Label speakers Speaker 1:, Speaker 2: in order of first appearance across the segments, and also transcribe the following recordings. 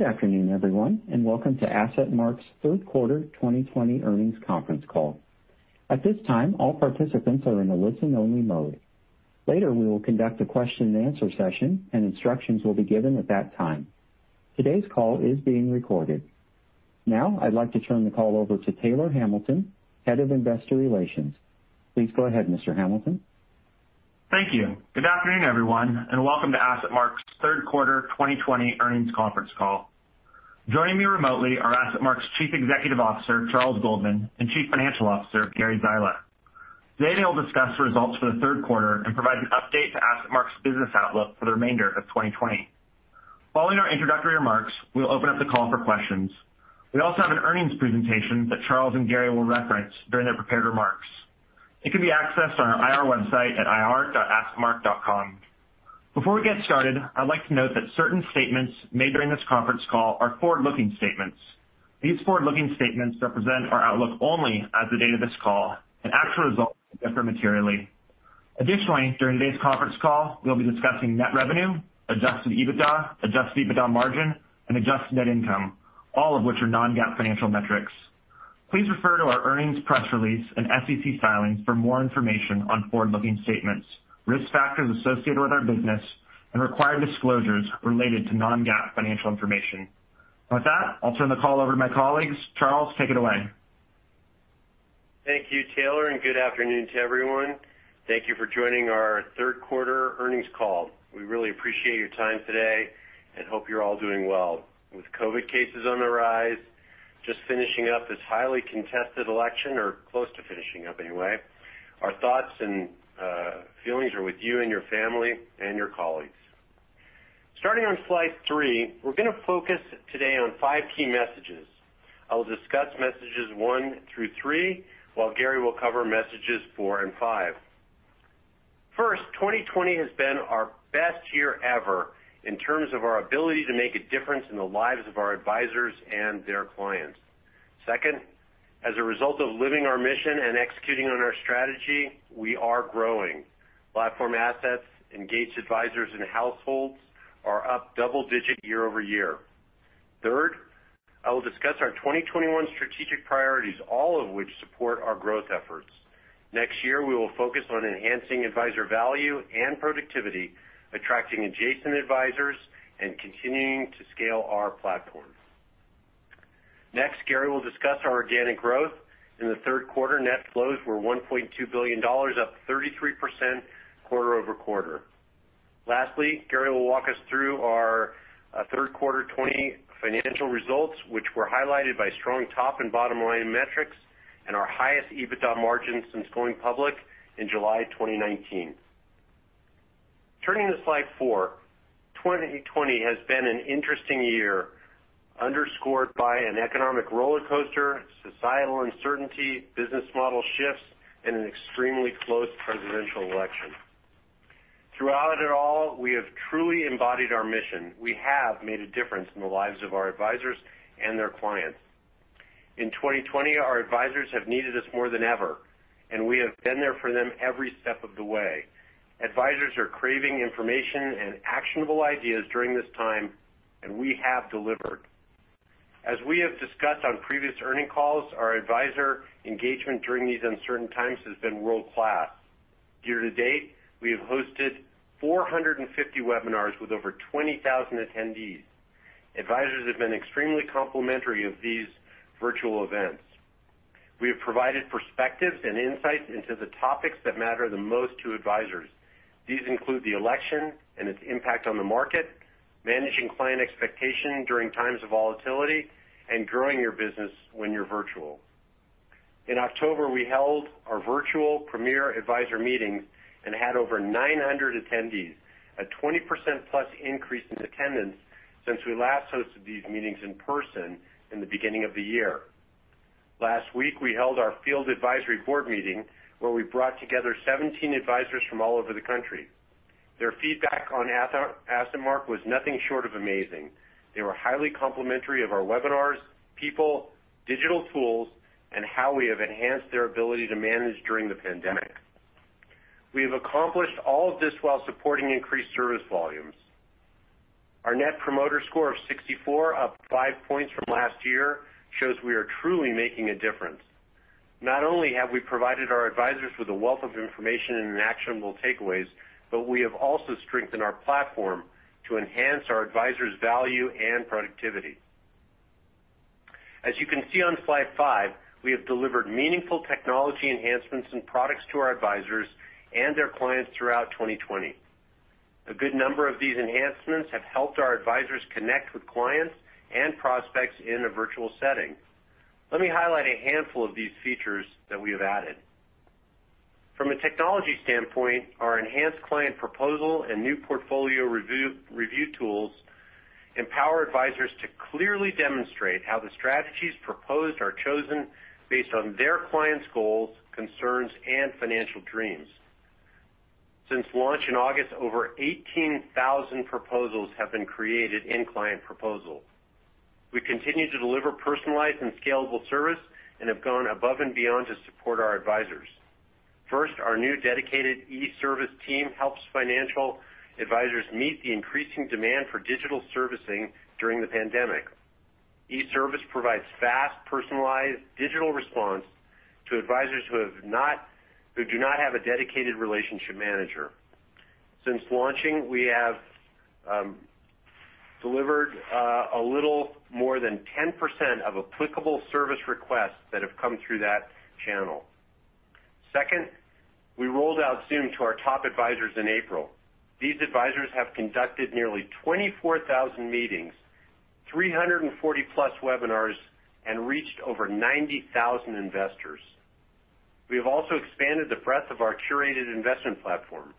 Speaker 1: Good afternoon, everyone, and welcome to AssetMark's third quarter 2020 earnings conference call. At this time, all participants are in a listen-only mode. Later, we will conduct a question and answer session, and instructions will be given at that time. Today's call is being recorded. I'd like to turn the call over to Taylor Hamilton, Head of Investor Relations. Please go ahead, Mr. Hamilton.
Speaker 2: Thank you. Good afternoon, everyone, and welcome to AssetMark's third quarter 2020 earnings conference call. Joining me remotely are AssetMark's Chief Executive Officer, Charles Goldman, and Chief Financial Officer, Gary Zyla. Today they'll discuss the results for the third quarter and provide an update to AssetMark's business outlook for the remainder of 2020. Following our introductory remarks, we'll open up the call for questions. We also have an earnings presentation that Charles and Gary will reference during their prepared remarks. It can be accessed on our IR website at ir.assetmark.com. Before we get started, I'd like to note that certain statements made during this conference call are forward-looking statements. These forward-looking statements represent our outlook only as of the date of this call. Actual results will differ materially. Additionally, during today's conference call, we'll be discussing net revenue, adjusted EBITDA, adjusted EBITDA margin, and adjusted net income, all of which are non-GAAP financial metrics. Please refer to our earnings press release and SEC filings for more information on forward-looking statements, risk factors associated with our business, and required disclosures related to non-GAAP financial information. With that, I'll turn the call over to my colleagues. Charles, take it away.
Speaker 3: Thank you, Taylor. Good afternoon to everyone. Thank you for joining our third quarter earnings call. We really appreciate your time today and hope you're all doing well. With COVID cases on the rise, just finishing up this highly contested election, or close to finishing up anyway, our thoughts and feelings are with you and your family and your colleagues. Starting on slide three, we're going to focus today on five key messages. I will discuss messages one through three, while Gary will cover messages four and five. First, 2020 has been our best year ever in terms of our ability to make a difference in the lives of our advisors and their clients. Second, as a result of living our mission and executing on our strategy, we are growing. Platform assets, engaged advisors, and households are up double-digit year-over-year. I will discuss our 2021 strategic priorities, all of which support our growth efforts. Next year, we will focus on enhancing advisor value and productivity, attracting adjacent advisors, and continuing to scale our platform. Gary will discuss our organic growth. In the third quarter, net flows were $1.2 billion, up 33% quarter-over-quarter. Gary will walk us through our third quarter 2020 financial results, which were highlighted by strong top and bottom line metrics and our highest EBITDA margin since going public in July 2019. Turning to slide four. 2020 has been an interesting year underscored by an economic rollercoaster, societal uncertainty, business model shifts, and an extremely close presidential election. Throughout it all, we have truly embodied our mission. We have made a difference in the lives of our advisors and their clients. In 2020, our advisors have needed us more than ever, and we have been there for them every step of the way. Advisors are craving information and actionable ideas during this time, we have delivered. As we have discussed on previous earnings calls, our advisor engagement during these uncertain times has been world class. Year to date, we have hosted 450 webinars with over 20,000 attendees. Advisors have been extremely complimentary of these virtual events. We have provided perspectives and insights into the topics that matter the most to advisors. These include the election and its impact on the market, managing client expectations during times of volatility, and growing your business when you're virtual. In October, we held our virtual Premier Advisor Meeting and had over 900 attendees, a 20%-plus increase in attendance since we last hosted these meetings in person in the beginning of the year. Last week, we held our field advisory board meeting, where we brought together 17 advisors from all over the country. Their feedback on AssetMark was nothing short of amazing. They were highly complimentary of our webinars, people, digital tools, and how we have enhanced their ability to manage during the pandemic. We have accomplished all of this while supporting increased service volumes. Our Net Promoter Score of 64, up five points from last year, shows we are truly making a difference. Not only have we provided our advisors with a wealth of information and actionable takeaways, but we have also strengthened our platform to enhance our advisors' value and productivity. As you can see on slide five, we have delivered meaningful technology enhancements and products to our advisors and their clients throughout 2020. A good number of these enhancements have helped our advisors connect with clients and prospects in a virtual setting. Let me highlight a handful of these features that we have added. From a technology standpoint, our enhanced Client Proposal and new portfolio review tools empower advisors to clearly demonstrate how the strategies proposed are chosen based on their clients' goals, concerns, and financial dreams. Since launch in August, over 18,000 proposals have been created in Client Proposal. We continue to deliver personalized and scalable service and have gone above and beyond to support our advisors. Our new dedicated eService team helps financial advisors meet the increasing demand for digital servicing during the pandemic. eService provides fast, personalized digital response to advisors who do not have a dedicated relationship manager. Since launching, we have delivered a little more than 10% of applicable service requests that have come through that channel. We rolled out Zoom to our top advisors in April. These advisors have conducted nearly 24,000 meetings, 340+ webinars, and reached over 90,000 investors. We have also expanded the breadth of our curated investment platform.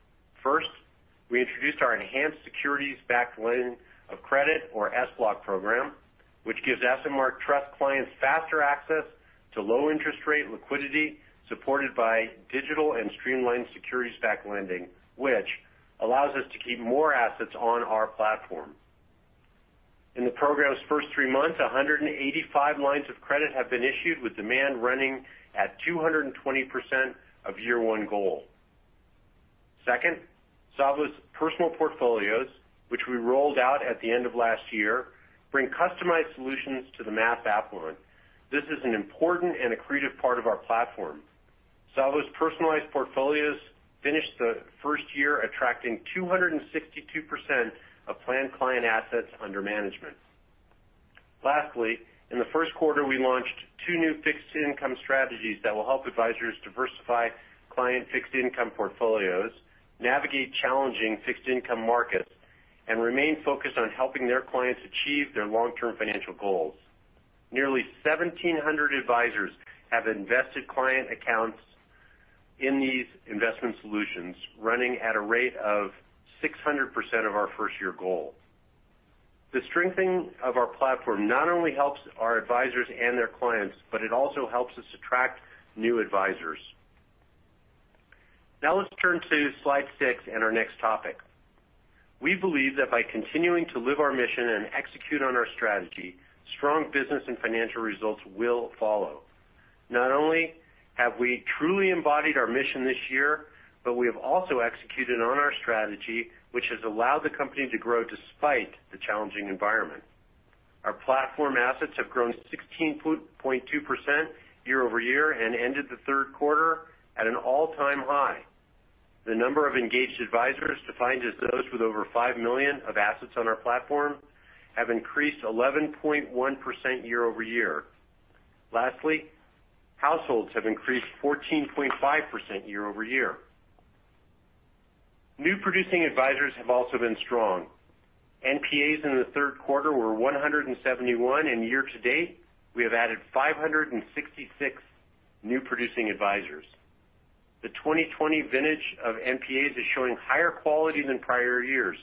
Speaker 3: We introduced our enhanced securities-backed line of credit, or SBLOC program, which gives AssetMark Trust clients faster access to low interest rate liquidity supported by digital and streamlined securities-backed lending, which allows us to keep more assets on our platform. In the program's first three months, 185 lines of credit have been issued, with demand running at 220% of year one goal. Savos Personal Portfolios, which we rolled out at the end of last year, bring customized solutions to the mass affluent line. This is an important and accretive part of our platform. Savos personalized portfolios finished the first year attracting 262% of planned client assets under management. Lastly, in the first quarter, we launched two new fixed income strategies that will help advisors diversify client fixed income portfolios, navigate challenging fixed income markets, and remain focused on helping their clients achieve their long-term financial goals. Nearly 1,700 advisors have invested client accounts in these investment solutions, running at a rate of 600% of our first year goal. The strengthening of our platform not only helps our advisors and their clients, but it also helps us attract new advisors. Now let's turn to slide six and our next topic. We believe that by continuing to live our mission and execute on our strategy, strong business and financial results will follow. Not only have we truly embodied our mission this year, but we have also executed on our strategy, which has allowed the company to grow despite the challenging environment. Our platform assets have grown 16.2% year-over-year and ended the third quarter at an all-time high. The number of engaged advisors, defined as those with over $5 million of assets on our platform, have increased 11.1% year-over-year. Lastly, households have increased 14.5% year-over-year. New producing advisors have also been strong. NPAs in the third quarter were 171, and year-to-date, we have added 566 new producing advisors. The 2020 vintage of NPAs is showing higher quality than prior years.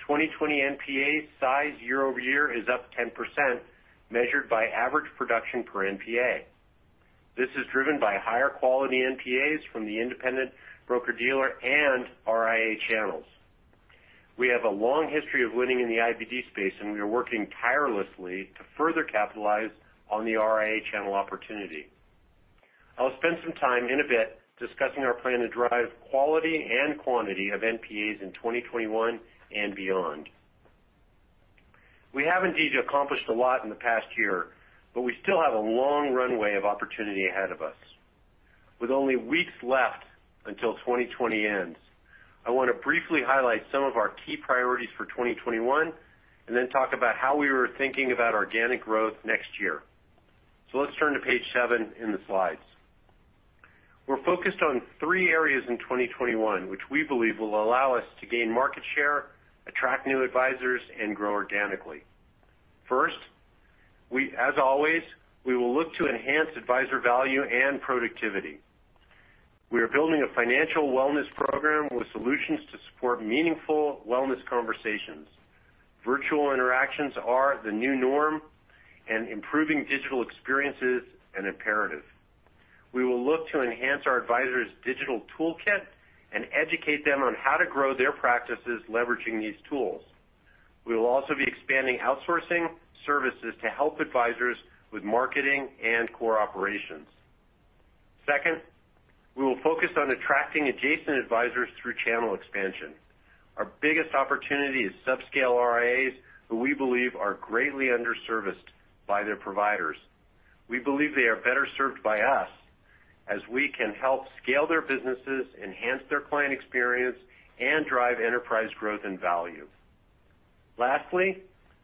Speaker 3: 2020 NPA size year-over-year is up 10%, measured by average production per NPA. This is driven by higher quality NPAs from the independent broker-dealer and RIA channels. We have a long history of winning in the IBD space, and we are working tirelessly to further capitalize on the RIA channel opportunity. I'll spend some time in a bit discussing our plan to drive quality and quantity of NPAs in 2021 and beyond. We have indeed accomplished a lot in the past year, but we still have a long runway of opportunity ahead of us. With only weeks left until 2020 ends, I want to briefly highlight some of our key priorities for 2021, and then talk about how we were thinking about organic growth next year. Let's turn to page seven in the slides. We're focused on three areas in 2021, which we believe will allow us to gain market share, attract new advisors, and grow organically. First, as always, we will look to enhance advisor value and productivity. We are building a financial wellness program with solutions to support meaningful wellness conversations. Virtual interactions are the new norm, and improving digital experience is an imperative. We will look to enhance our advisors' digital toolkit and educate them on how to grow their practices leveraging these tools. We will also be expanding outsourcing services to help advisors with marketing and core operations. We will focus on attracting adjacent advisors through channel expansion. Our biggest opportunity is subscale RIAs, who we believe are greatly underserviced by their providers. We believe they are better served by us, as we can help scale their businesses, enhance their client experience, and drive enterprise growth and value.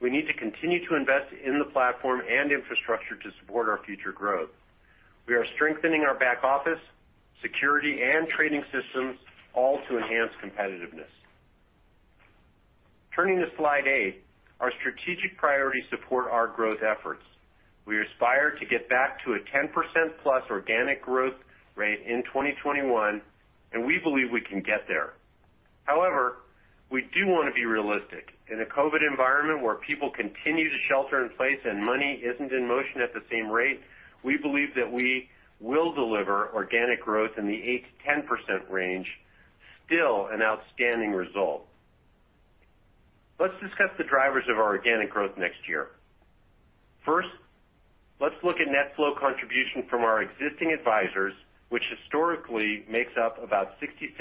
Speaker 3: We need to continue to invest in the platform and infrastructure to support our future growth. We are strengthening our back office, security, and trading systems, all to enhance competitiveness. Turning to slide eight, our strategic priorities support our growth efforts. We aspire to get back to a 10%+ organic growth rate in 2021. We believe we can get there. However, we do want to be realistic. In a COVID environment where people continue to shelter in place and money isn't in motion at the same rate, we believe that we will deliver organic growth in the 8%-10% range, still an outstanding result. Let's discuss the drivers of our organic growth next year. First, let's look at net flow contribution from our existing advisors, which historically makes up about 66%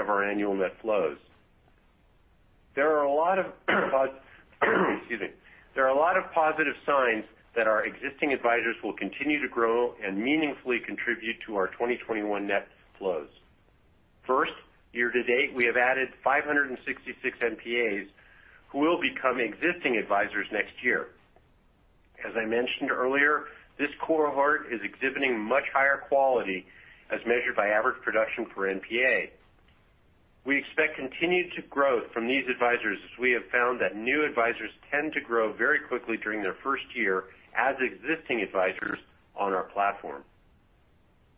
Speaker 3: of our annual net flows. There are a lot of positive signs that our existing advisors will continue to grow and meaningfully contribute to our 2021 net flows. First, year to date, we have added 566 NPAs who will become existing advisors next year. As I mentioned earlier, this cohort is exhibiting much higher quality as measured by average production per NPA. We expect continued growth from these advisors, as we have found that new advisors tend to grow very quickly during their first year as existing advisors on our platform.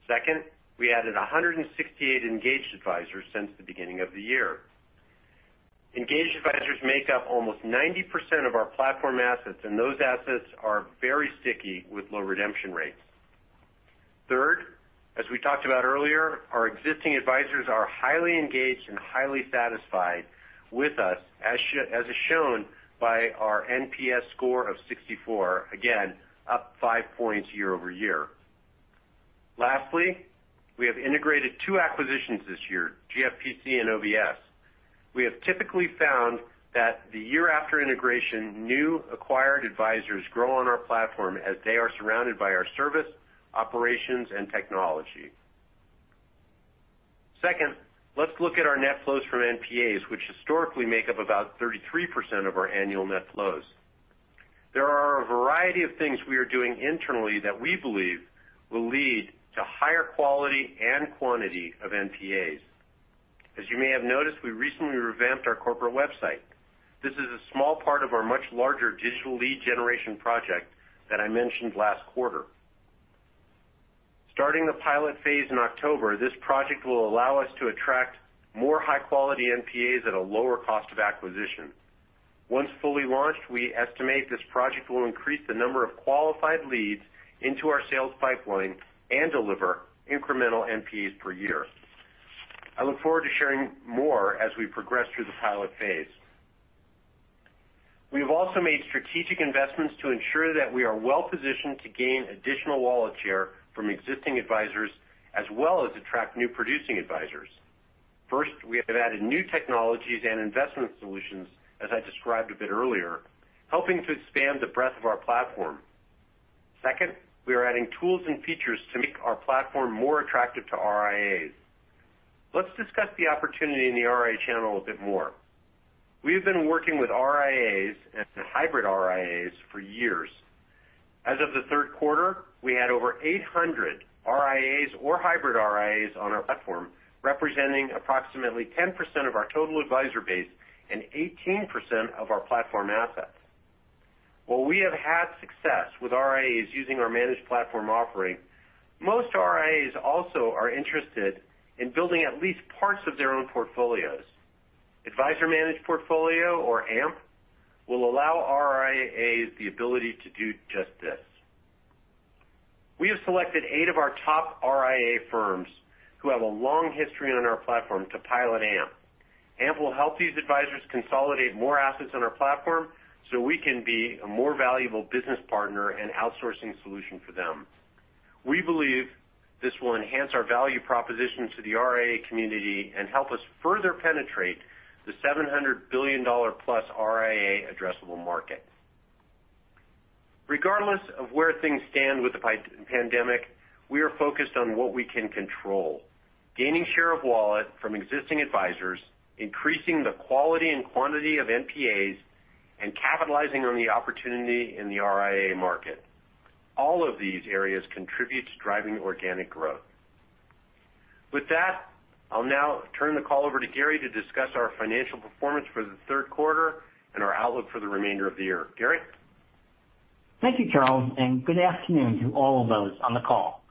Speaker 3: Second, we added 168 engaged advisors since the beginning of the year. Engaged advisors make up almost 90% of our platform assets, and those assets are very sticky with low redemption rates. Third, as we talked about earlier, our existing advisors are highly engaged and highly satisfied with us, as is shown by our NPS score of 64, again, up five points year-over-year. Lastly, we have integrated two acquisitions this year, GFPC and OBS. We have typically found that the year after integration, new acquired advisors grow on our platform as they are surrounded by our service, operations, and technology. Second, let's look at our net flows from NPAs, which historically make up about 33% of our annual net flows. There are a variety of things we are doing internally that we believe will lead to higher quality and quantity of NPAs. As you may have noticed, we recently revamped our corporate website. This is a small part of our much larger digital lead generation project that I mentioned last quarter. Starting the pilot phase in October, this project will allow us to attract more high-quality NPAs at a lower cost of acquisition. Once fully launched, we estimate this project will increase the number of qualified leads into our sales pipeline and deliver incremental NPAs per year. I look forward to sharing more as we progress through the pilot phase. We have also made strategic investments to ensure that we are well positioned to gain additional wallet share from existing advisors, as well as attract new producing advisors. First, we have added new technologies and investment solutions, as I described a bit earlier, helping to expand the breadth of our platform. Second, we are adding tools and features to make our platform more attractive to RIAs. Let's discuss the opportunity in the RIA channel a bit more. We have been working with RIAs and hybrid RIAs for years. As of the third quarter, we had over 800 RIAs or hybrid RIAs on our platform, representing approximately 10% of our total advisor base and 18% of our platform assets. While we have had success with RIAs using our managed platform offering, most RIAs also are interested in building at least parts of their own portfolios. Advisor Managed Portfolio, or AMP, will allow RIAs the ability to do just this. We have selected eight of our top RIA firms who have a long history on our platform to pilot AMP. AMP will help these advisors consolidate more assets on our platform so we can be a more valuable business partner and outsourcing solution for them. We believe this will enhance our value proposition to the RIA community and help us further penetrate the $700 billion-plus RIA addressable market. Regardless of where things stand with the pandemic, we are focused on what we can control. Gaining share of wallet from existing advisors, increasing the quality and quantity of NPAs, and capitalizing on the opportunity in the RIA market. All of these areas contribute to driving organic growth. With that, I'll now turn the call over to Gary to discuss our financial performance for the third quarter and our outlook for the remainder of the year. Gary?
Speaker 4: Thank you, Charles. Good afternoon to all of those on the call.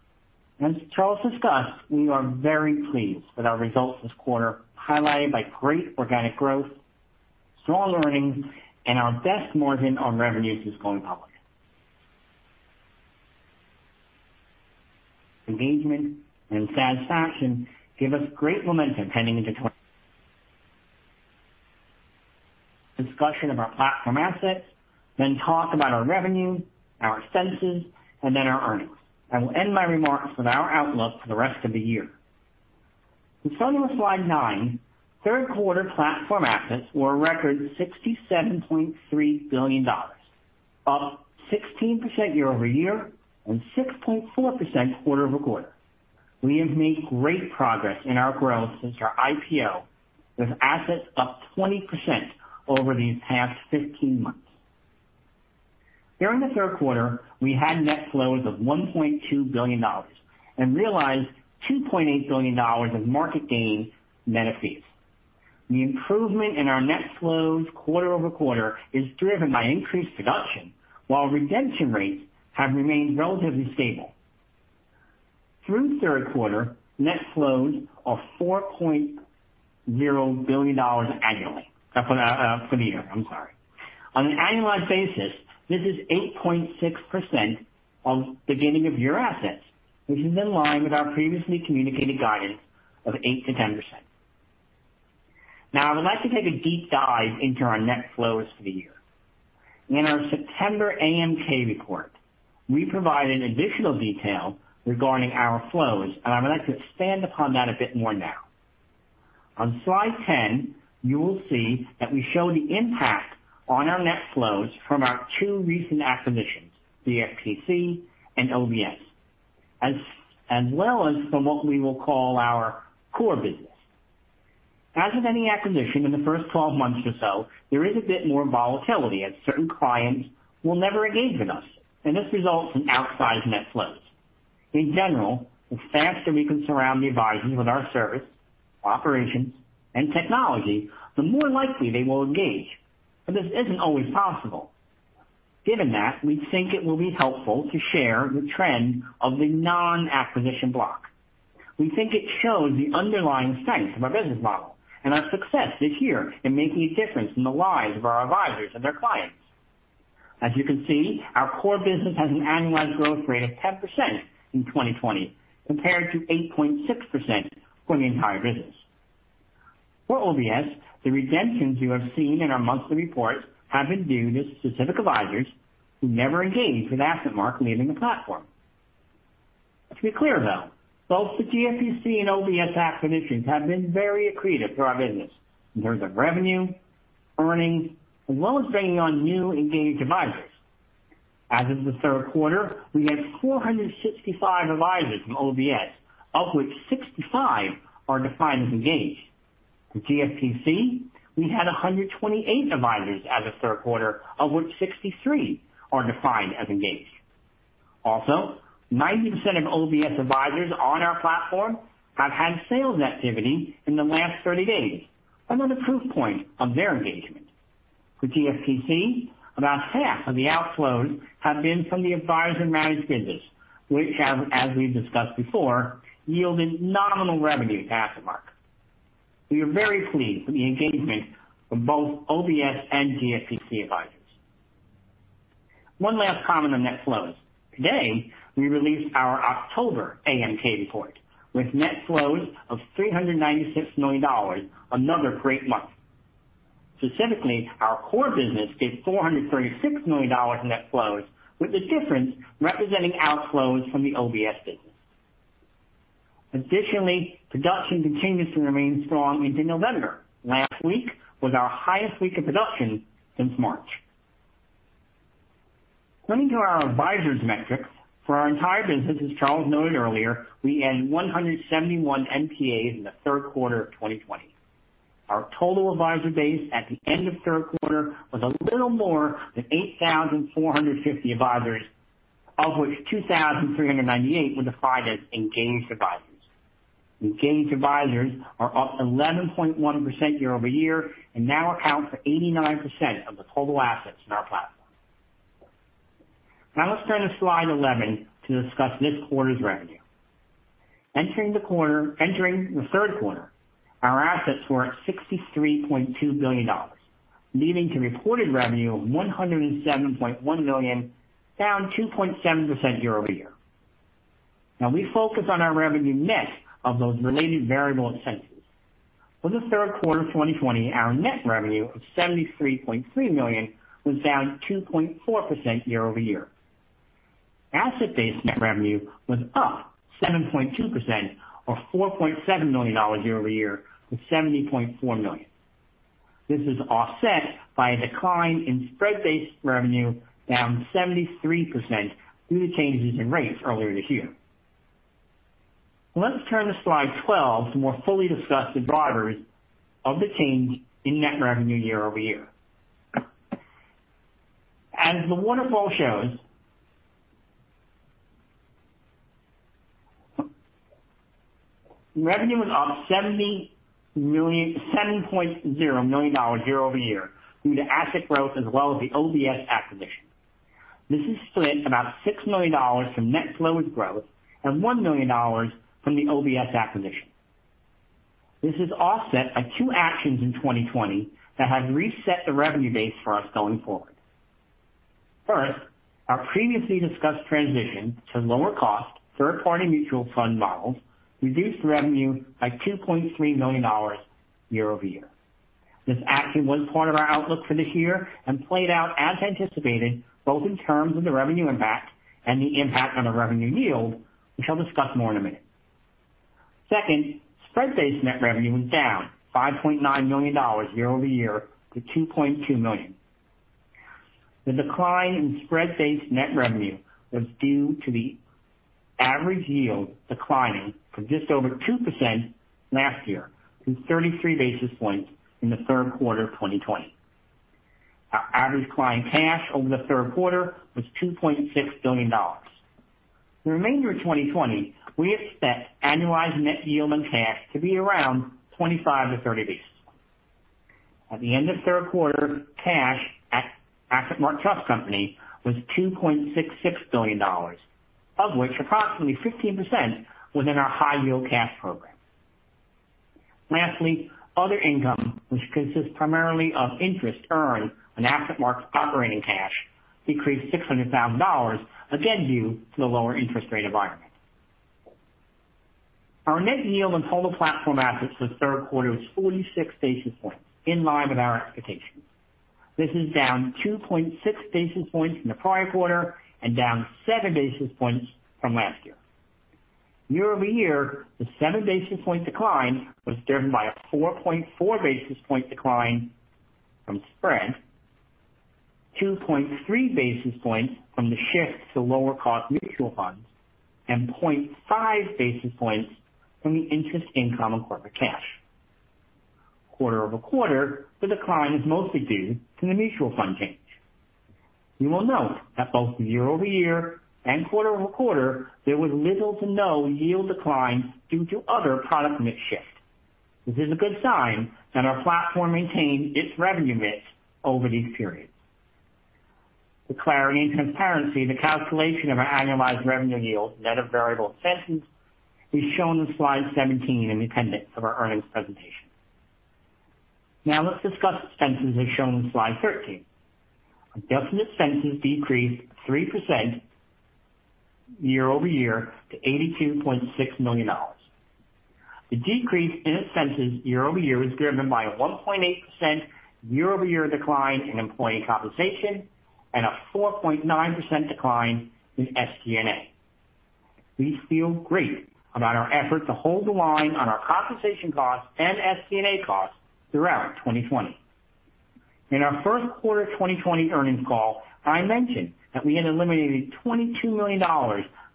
Speaker 4: As Charles discussed, we are very pleased with our results this quarter, highlighted by great organic growth, strong earnings, and our best margin on revenues since going public. Engagement and satisfaction give us great momentum heading into discussion of our platform assets, then talk about our revenue, our expenses, and then our earnings. I will end my remarks with our outlook for the rest of the year. We'll start on slide nine. Third quarter platform assets were a record $67.3 billion, up 16% year-over-year and 6.4% quarter-over-quarter. We have made great progress in our growth since our IPO, with assets up 20% over these past 15 months. During the third quarter, we had net flows of $1.2 billion and realized $2.8 billion of market gains net of fees. The improvement in our net flows quarter-over-quarter is driven by increased production, while redemption rates have remained relatively stable. Through third quarter, net flows are $4.0 billion annually. For the year, I'm sorry. On an annualized basis, this is 8.6% of beginning of year assets, which is in line with our previously communicated guidance of 8%-10%. Now, I would like to take a deep dive into our net flows for the year. In our September AMK Report, we provided additional detail regarding our flows, and I would like to expand upon that a bit more now. On slide 10, you will see that we show the impact on our net flows from our two recent acquisitions, the GFPC and OBS, as well as from what we will call our core business. As with any acquisition, in the first 12 months or so, there is a bit more volatility as certain clients will never engage with us, and this results in outsized net flows. In general, the faster we can surround the advisers with our service, operations, and technology, the more likely they will engage. This isn't always possible. Given that, we think it will be helpful to share the trend of the non-acquisition block. We think it shows the underlying strength of our business model and our success this year in making a difference in the lives of our advisers and their clients. As you can see, our core business has an annualized growth rate of 10% in 2020 compared to 8.6% for the entire business. For OBS, the redemptions you have seen in our monthly reports have been due to specific advisers who never engaged with AssetMark leaving the platform. To be clear, though, both the GFPC and OBS acquisitions have been very accretive to our business in terms of revenue, earnings, as well as bringing on new engaged advisers. As of the third quarter, we had 465 advisers from OBS, of which 65 are defined as engaged. From GFPC, we had 128 advisers as of the third quarter, of which 63 are defined as engaged. 90% of OBS advisers on our platform have had sales activity in the last 30 days, another proof point of their engagement. For GFPC, about half of the outflows have been from the adviser managed business, which, as we've discussed before, yielded nominal revenue to AssetMark. We are very pleased with the engagement of both OBS and GFPC advisers. One last comment on net flows. Today, we released our October AMK report with net flows of $396 million. Another great month. Specifically, our core business did $436 million in net flows, with the difference representing outflows from the OBS business. Production continues to remain strong into November. Last week was our highest week of production since March. Turning to our advisers metrics, for our entire business, as Charles noted earlier, we ended with 171 NPAs in the third quarter of 2020. Our total adviser base at the end of the third quarter was a little more than 8,450 advisers, of which 2,398 were defined as engaged advisers. Engaged advisers are up 11.1% year-over-year and now account for 89% of the total assets in our platform. Let's turn to slide 11 to discuss this quarter's revenue. Entering the third quarter, our assets were at $63.2 billion, leading to reported revenue of $107.1 million, down 2.7% year-over-year. We focus on our revenue net of those related variable incentives. For the third quarter 2020, our net revenue of $73.3 million was down 2.4% year-over-year. Asset-based net revenue was up 7.2%, or $4.7 million year-over-year, to $70.4 million. This is offset by a decline in spread-based revenue, down 73% due to changes in rates earlier this year. Let's turn to slide 12 to more fully discuss the drivers of the change in net revenue year-over-year. As the waterfall shows, revenue was up $7.0 million year-over-year due to asset growth as well as the OBS acquisition. This is split about $6 million from net flows growth and $1 million from the OBS acquisition. This is offset by two actions in 2020 that have reset the revenue base for us going forward. First, our previously discussed transition to lower cost third-party mutual fund models reduced revenue by $2.3 million year-over-year. This action was part of our outlook for this year and played out as anticipated, both in terms of the revenue impact and the impact on the revenue yield, which I'll discuss more in a minute. Second, spread-based net revenue was down $5.9 million year-over-year to $2.2 million. The decline in spread-based net revenue was due to the average yield declining from just over 2% last year to 33 basis points in the third quarter of 2020. Our average client cash over the third quarter was $2.6 billion. For the remainder of 2020, we expect annualized net yield on cash to be around 25-30 basis points. At the end of the third quarter, cash at AssetMark Trust Company was $2.66 billion, of which approximately 15% was in our High Yield Cash program. Lastly, other income, which consists primarily of interest earned on AssetMark's operating cash, decreased $600,000, again due to the lower interest rate environment. Our net yield on total platform assets for third quarter was 46 basis points, in line with our expectations. This is down 2.6 basis points from the prior quarter and down seven basis points from last year. Year-over-year, the seven basis point decline was driven by a 4.4 basis point decline from spread, 2.3 basis points from the shift to lower cost mutual funds, and 0.5 basis points from the interest income on corporate cash. Quarter-over-quarter, the decline is mostly due to the mutual fund change. You will note that both year-over-year and quarter-over-quarter, there was little to no yield decline due to other product mix shift. This is a good sign that our platform maintained its revenue mix over these periods. Declaring in transparency the calculation of our annualized revenue yield net of variable expenses is shown in slide 17 in the appendix of our earnings presentation. Let's discuss expenses as shown in slide 13. Adjusted expenses decreased 3% year-over-year to $82.6 million. The decrease in expenses year-over-year was driven by a 1.8% year-over-year decline in employee compensation and a 4.9% decline in SG&A. We feel great about our effort to hold the line on our compensation costs and SG&A costs throughout 2020. In our first quarter 2020 earnings call, I mentioned that we had eliminated $22 million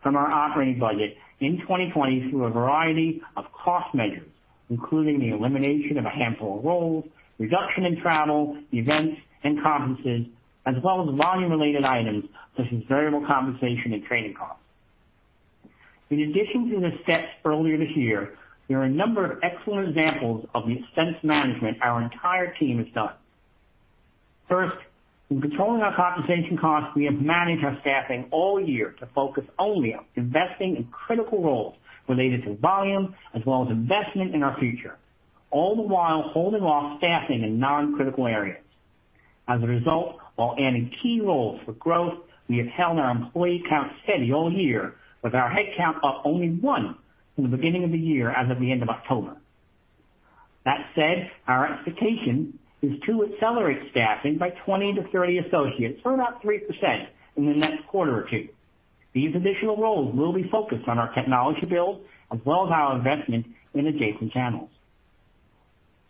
Speaker 4: from our operating budget in 2020 through a variety of cost measures, including the elimination of a handful of roles, reduction in travel, events, and conferences, as well as volume related items such as variable compensation and training costs. In addition to the steps earlier this year, there are a number of excellent examples of the expense management our entire team has done. First, in controlling our compensation costs, we have managed our staffing all year to focus only on investing in critical roles related to volume as well as investment in our future, all the while holding off staffing in non-critical areas. As a result, while adding key roles for growth, we have held our employee count steady all year with our head count up only one from the beginning of the year as of the end of October. That said, our expectation is to accelerate staffing by 20-30 associates, or about 3%, in the next quarter or two. These additional roles will be focused on our technology build as well as our investment in adjacent channels.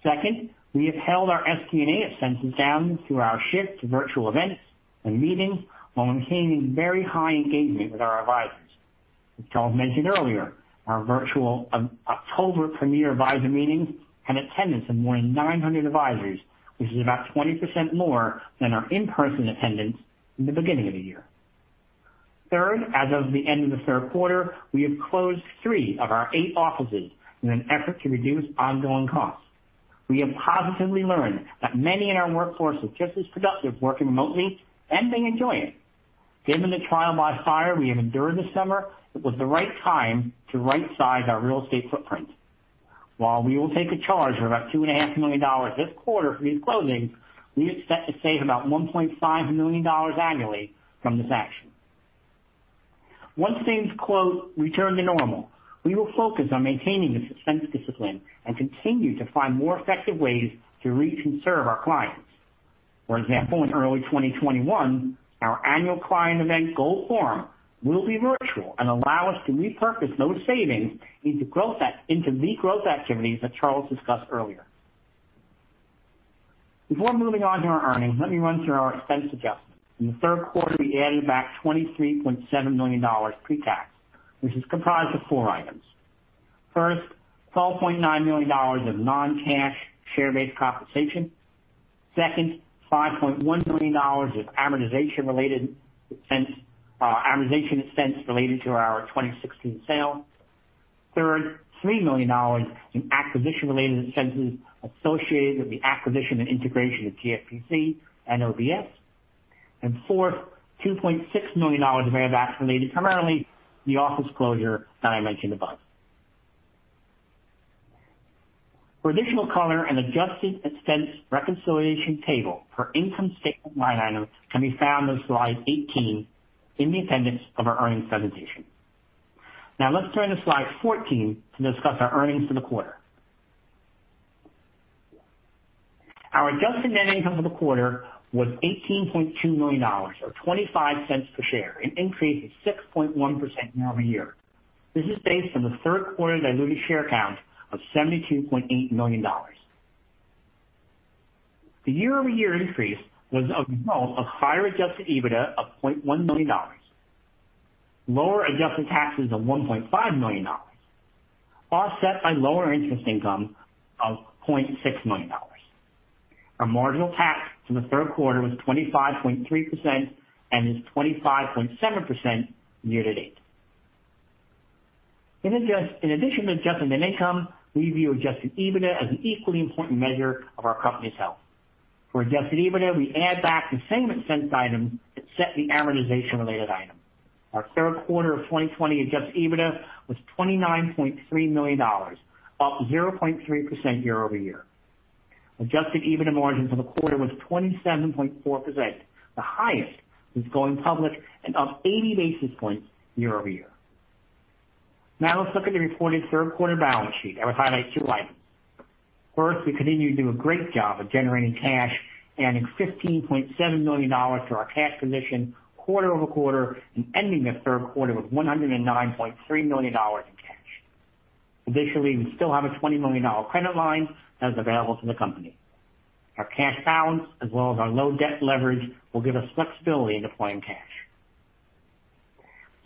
Speaker 4: Second, we have held our SG&A expenses down through our shift to virtual events and meetings while maintaining very high engagement with our advisors. As Charles mentioned earlier, our virtual October Premier Advisor Meeting had attendance of more than 900 advisors, which is about 20% more than our in-person attendance in the beginning of the year. Third, as of the end of the third quarter, we have closed three of our eight offices in an effort to reduce ongoing costs. We have positively learned that many in our workforce are just as productive working remotely and they enjoy it. Given the trial by fire we have endured this summer, it was the right time to right-size our real estate footprint. While we will take a charge of about $2.5 million this quarter for these closings, we expect to save about $1.5 million annually from this action. Once things, quote, "return to normal," we will focus on maintaining this expense discipline and continue to find more effective ways to reach and serve our clients. For example, in early 2021, our annual client event, Gold Forum, will be virtual and allow us to repurpose those savings into the growth activities that Charles discussed earlier. Before moving on to our earnings, let me run through our expense adjustments. In the third quarter, we added back $23.7 million pre-tax, which is comprised of four items. First, $12.9 million of non-cash share-based compensation. Second, $5.1 million of amortization-related expense, or amortization expense related to our 2016 sale. Third, $3 million in acquisition-related expenses associated with the acquisition and integration of GFPC and OBS. Fourth, $2.6 million of AMVAC related primarily to the office closure that I mentioned above. For additional color, an adjusted expense reconciliation table for income statement line items can be found on slide 18 in the appendix of our earnings presentation. Now let's turn to slide 14 to discuss our earnings for the quarter. Our adjusted net income for the quarter was $18.2 million or $0.25 per share, an increase of 6.1% year-over-year. This is based on the third quarter diluted share count of $72.8 million. The year-over-year increase was a result of higher adjusted EBITDA of $0.1 million, lower adjusted taxes of $1.5 million, offset by lower interest income of $0.6 million. Our marginal tax for the third quarter was 25.3% and is 25.7% year to date. In addition to adjusted net income, we view adjusted EBITDA as an equally important measure of our company's health. For adjusted EBITDA, we add back the same expense items that set the amortization-related item. Our third quarter of 2020 adjusted EBITDA was $29.3 million, up 0.3% year-over-year. Adjusted EBITDA margin for the quarter was 27.4%, the highest since going public, and up 80 basis points year-over-year. Now let's look at the reported third quarter balance sheet. I will highlight two items. First, we continue to do a great job of generating cash, adding $15.7 million to our cash position quarter-over-quarter, and ending the third quarter with $109.3 million in cash. Additionally, we still have a $20 million credit line that is available to the company. Our cash balance, as well as our low debt leverage, will give us flexibility in deploying cash.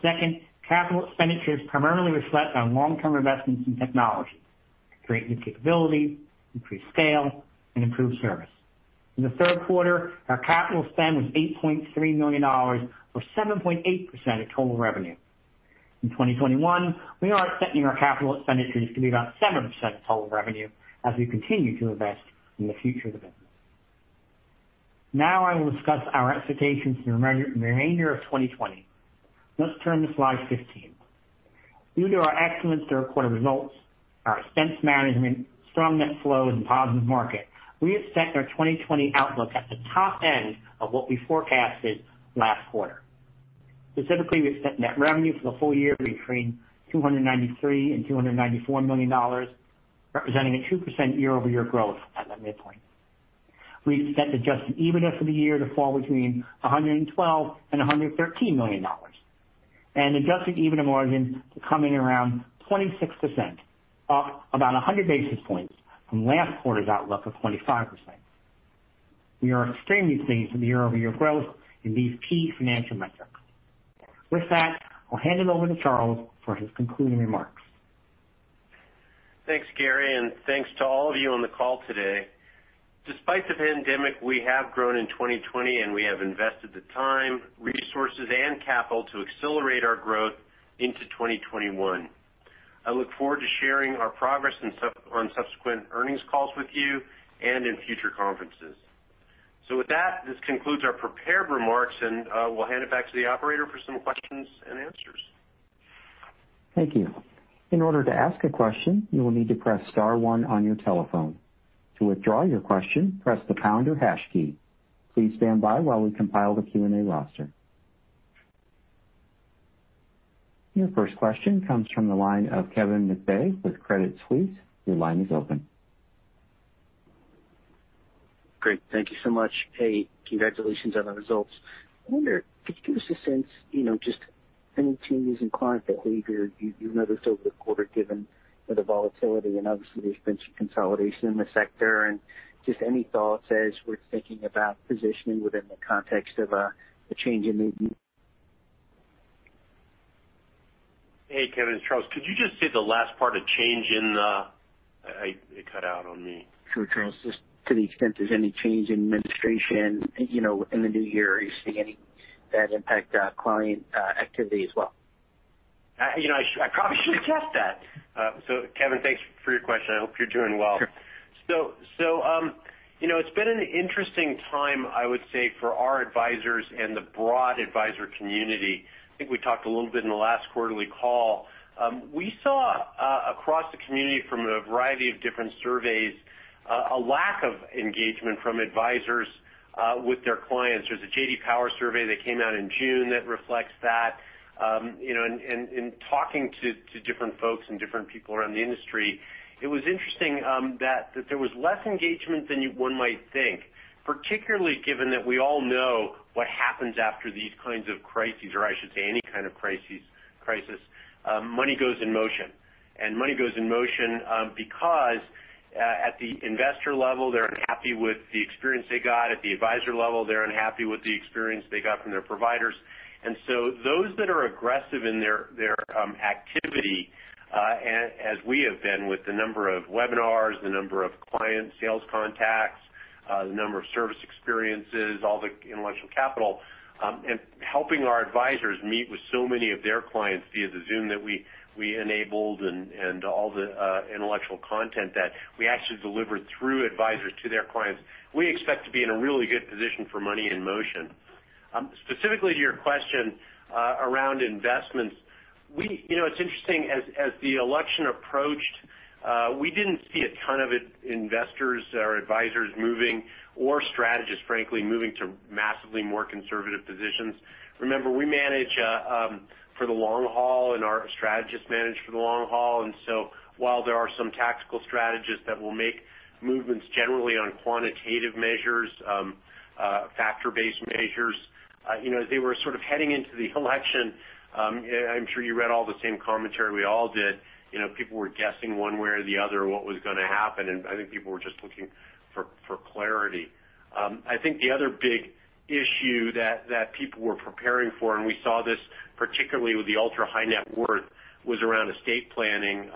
Speaker 4: Second, capital expenditures primarily reflect our long-term investments in technology to create new capabilities, increase scale, and improve service. In the third quarter, our capital spend was $8.3 million, or 7.8% of total revenue. In 2021, we are expecting our capital expenditures to be about 7% of total revenue as we continue to invest in the future of the business. Now I will discuss our expectations for the remainder of 2020. Let's turn to slide 15. Due to our excellent third quarter results, our expense management, strong net flows, and positive market, we expect our 2020 outlook at the top end of what we forecasted last quarter. Specifically, we expect net revenue for the full year between $293 million and $294 million, representing a 2% year-over-year growth at the midpoint. We expect adjusted EBITDA for the year to fall between $112 million and $113 million, and adjusted EBITDA margin to come in around 26%, up about 100 basis points from last quarter's outlook of 25%. We are extremely pleased with the year-over-year growth in these key financial metrics. With that, I'll hand it over to Charles for his concluding remarks.
Speaker 3: Thanks, Gary, and thanks to all of you on the call today. Despite the pandemic, we have grown in 2020, and we have invested the time, resources, and capital to accelerate our growth into 2021. I look forward to sharing our progress on subsequent earnings calls with you and in future conferences. With that, this concludes our prepared remarks, and we'll hand it back to the operator for some questions and answers.
Speaker 1: Thank you. In order to ask a question, you will need to press star one on your telephone. To withdraw your question, press the pound or hash key. Please stand by while we compile the Q&A roster. Your first question comes from the line of Kevin McVeigh with Credit Suisse. Your line is open.
Speaker 5: Great. Thank you so much. Hey, congratulations on the results. I wonder, could you give us a sense, just any changes in client behavior you've noticed over the quarter, given the volatility, and obviously there's been some consolidation in the sector, and just any thoughts as we're thinking about positioning within the context of a change in movement?
Speaker 3: Hey, Kevin. It's Charles. Could you just say the last part of change in the? It cut out on me.
Speaker 5: Sure, Charles. Just to the extent there's any change in administration within the new year. Are you seeing any of that impact client activity as well?
Speaker 3: I probably should address that. Kevin, thanks for your question. I hope you're doing well.
Speaker 5: Sure.
Speaker 3: It's been an interesting time, I would say, for our advisors and the broad advisor community. I think we talked a little bit in the last quarterly call. We saw, across the community from a variety of different surveys, a lack of engagement from advisors with their clients. There's a J.D. Power survey that came out in June that reflects that. In talking to different folks and different people around the industry, it was interesting that there was less engagement than one might think, particularly given that we all know what happens after these kinds of crises, or I should say any kind of crisis. Money goes in motion, and money goes in motion because at the investor level, they're unhappy with the experience they got. At the advisor level, they're unhappy with the experience they got from their providers. Those that are aggressive in their activity, as we have been with the number of webinars, the number of client sales contacts, the number of service experiences, all the intellectual capital, and helping our advisors meet with so many of their clients via the Zoom that we enabled and all the intellectual content that we actually delivered through advisors to their clients. We expect to be in a really good position for money in motion. Specifically to your question around investments, it's interesting, as the election approached, we didn't see a ton of investors or advisors moving, or strategists, frankly, moving to massively more conservative positions. Remember, we manage for the long haul, and our strategists manage for the long haul. While there are some tactical strategists that will make movements generally on quantitative measures, factor-based measures, as they were sort of heading into the election, I'm sure you read all the same commentary we all did. People were guessing one way or the other what was going to happen, and I think people were just looking for clarity. I think the other big issue that people were preparing for, and we saw this particularly with the ultra-high net worth, was around estate planning.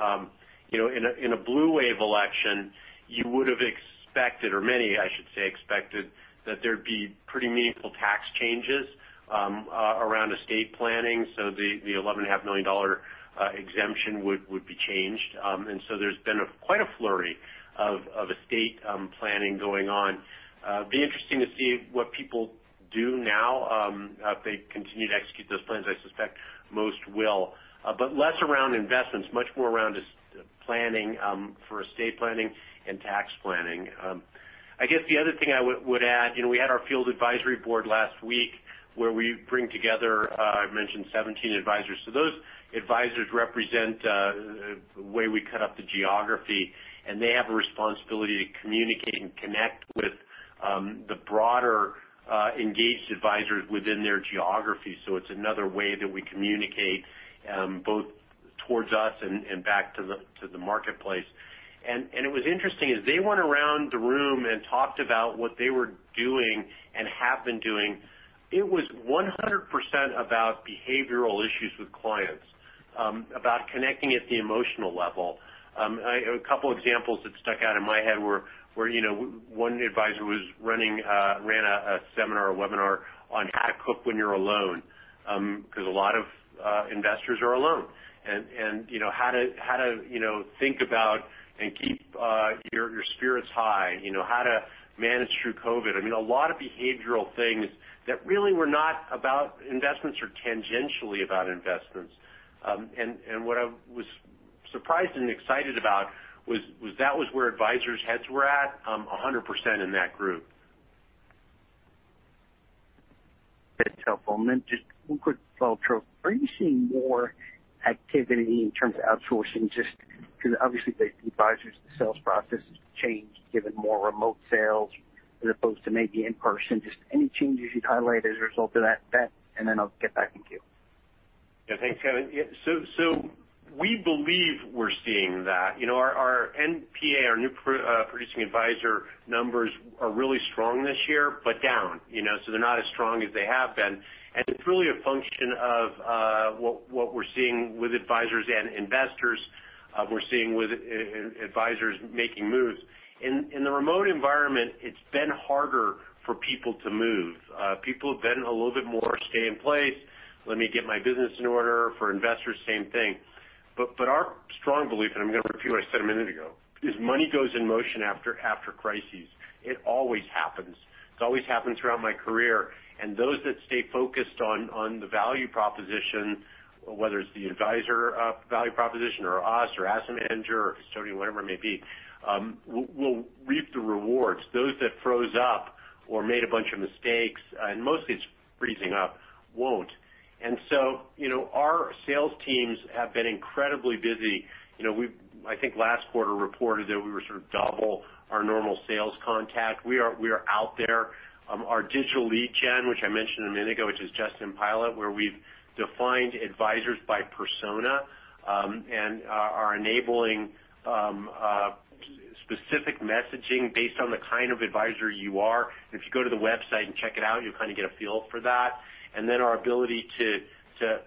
Speaker 3: In a blue wave election, you would have expected, or many, I should say, expected that there'd be pretty meaningful tax changes around estate planning. So the $11.5 million exemption would be changed. There's been quite a flurry of estate planning going on. Be interesting to see what people do now, if they continue to execute those plans. I suspect most will. Less around investments, much more around just planning for estate planning and tax planning. I guess the other thing I would add, we had our Field Advisory Board last week where we bring together, I mentioned 17 advisors. Those advisors represent the way we cut up the geography, and they have a responsibility to communicate and connect with the broader engaged advisors within their geography. It's another way that we communicate, both towards us and back to the marketplace. It was interesting, as they went around the room and talked about what they were doing and have been doing, it was 100% about behavioral issues with clients, about connecting at the emotional level. A couple examples that stuck out in my head were, one advisor ran a seminar or webinar on how to cook when you're alone, because a lot of investors are alone. How to think about and keep your spirits high, how to manage through COVID. I mean, a lot of behavioral things that really were not about investments or tangentially about investments. What I was surprised and excited about was that was where advisors' heads were at, 100% in that group.
Speaker 5: That's helpful. Then just one quick follow-through. Are you seeing more activity in terms of outsourcing? Just because obviously the advisors to sales process has changed given more remote sales as opposed to maybe in-person. Just any changes you'd highlight as a result of that? Then I'll get back in queue.
Speaker 3: Thanks, Kevin. We believe we're seeing that. Our NPA, our new producing advisor numbers are really strong this year, down, they're not as strong as they have been. It's really a function of what we're seeing with advisors and investors. We're seeing with advisors making moves. In the remote environment, it's been harder for people to move. People have been a little bit more stay in place, let me get my business in order. For investors, same thing. Our strong belief, I'm going to repeat what I said a minute ago, is money goes in motion after crises. It always happens. It's always happened throughout my career. Those that stay focused on the value proposition, whether it's the advisor value proposition or us or asset manager or custodian, whatever it may be, will reap the rewards. Those that froze up or made a bunch of mistakes, and mostly it's freezing up, won't. Our sales teams have been incredibly busy. I think last quarter reported that we were sort of double our normal sales contact. We are out there. Our digital lead gen, which I mentioned a minute ago, which is just in pilot, where we've defined advisors by persona, and are enabling specific messaging based on the kind of advisor you are. If you go to the website and check it out, you'll kind of get a feel for that. Our ability to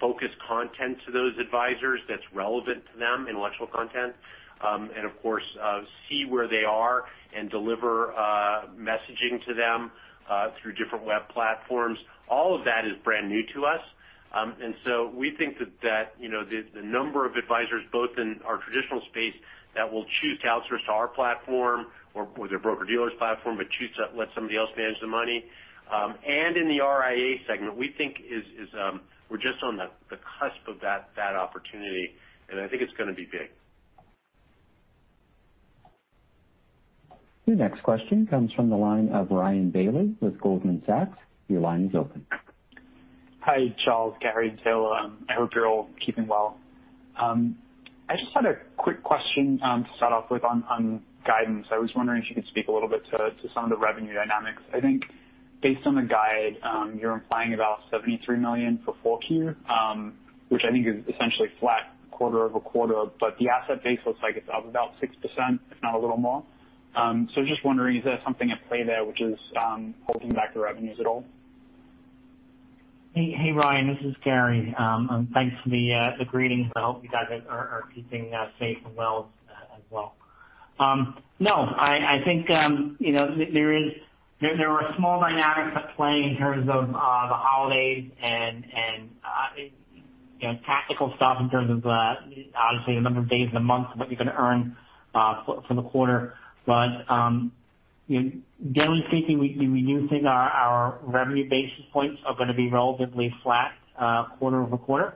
Speaker 3: focus content to those advisors that's relevant to them, intellectual content. Of course, see where they are and deliver messaging to them through different web platforms. All of that is brand new to us. We think that the number of advisors, both in our traditional space that will choose to outsource to our platform or their broker-dealer's platform, but choose to let somebody else manage the money. In the RIA segment, we think we're just on the cusp of that opportunity, and I think it's going to be big.
Speaker 1: Your next question comes from the line of Ryan Bailey with Goldman Sachs. Your line is open.
Speaker 6: Hi, Charles, Gary, Taylor. I hope you're all keeping well. I just had a quick question to start off with on guidance. I was wondering if you could speak a little bit to some of the revenue dynamics. I think based on the guide, you're implying about $73 million for 4Q, which I think is essentially flat quarter-over-quarter, but the asset base looks like it's up about 6%, if not a little more. Just wondering, is there something at play there which is holding back the revenues at all?
Speaker 4: Hey, Ryan, this is Gary. Thanks for the greetings. I hope you guys are keeping safe and well as well. I think there were small dynamics at play in terms of the holidays and tactical stuff in terms of obviously the number of days in the month, what you're going to earn for the quarter. Generally speaking, we do think our revenue basis points are going to be relatively flat quarter-over-quarter.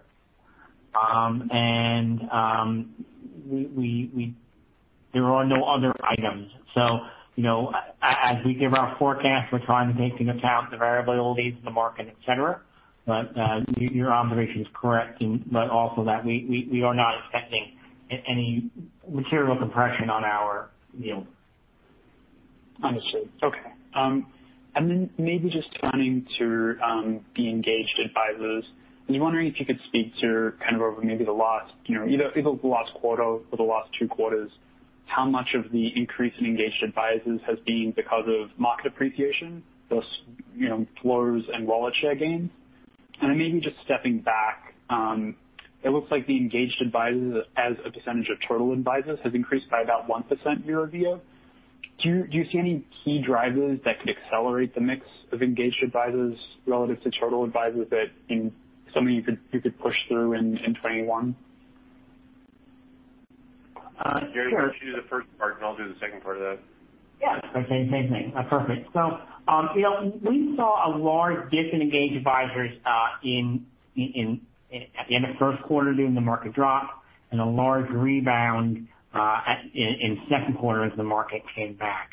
Speaker 4: There are no other items. As we give our forecast, we're trying to take into account the variabilities in the market, et cetera. Your observation is correct, but also that we are not expecting any material compression on our yield.
Speaker 6: Understood. Okay. Maybe just turning to the engaged advisors. I'm wondering if you could speak to kind of over maybe either the last quarter or the last two quarters, how much of the increase in engaged advisors has been because of market appreciation, thus flows and wallet share gains? Maybe just stepping back, it looks like the engaged advisors as a percentage of total advisors has increased by about 1% year-over-year. Do you see any key drivers that could accelerate the mix of engaged advisors relative to total advisors that something you could push through in 2021?
Speaker 3: Gary, why don't you do the first part and I'll do the second part of that.
Speaker 4: Yeah. Same thing. Perfect. We saw a large dip in engaged advisors at the end of first quarter during the market drop, and a large rebound in second quarter as the market came back.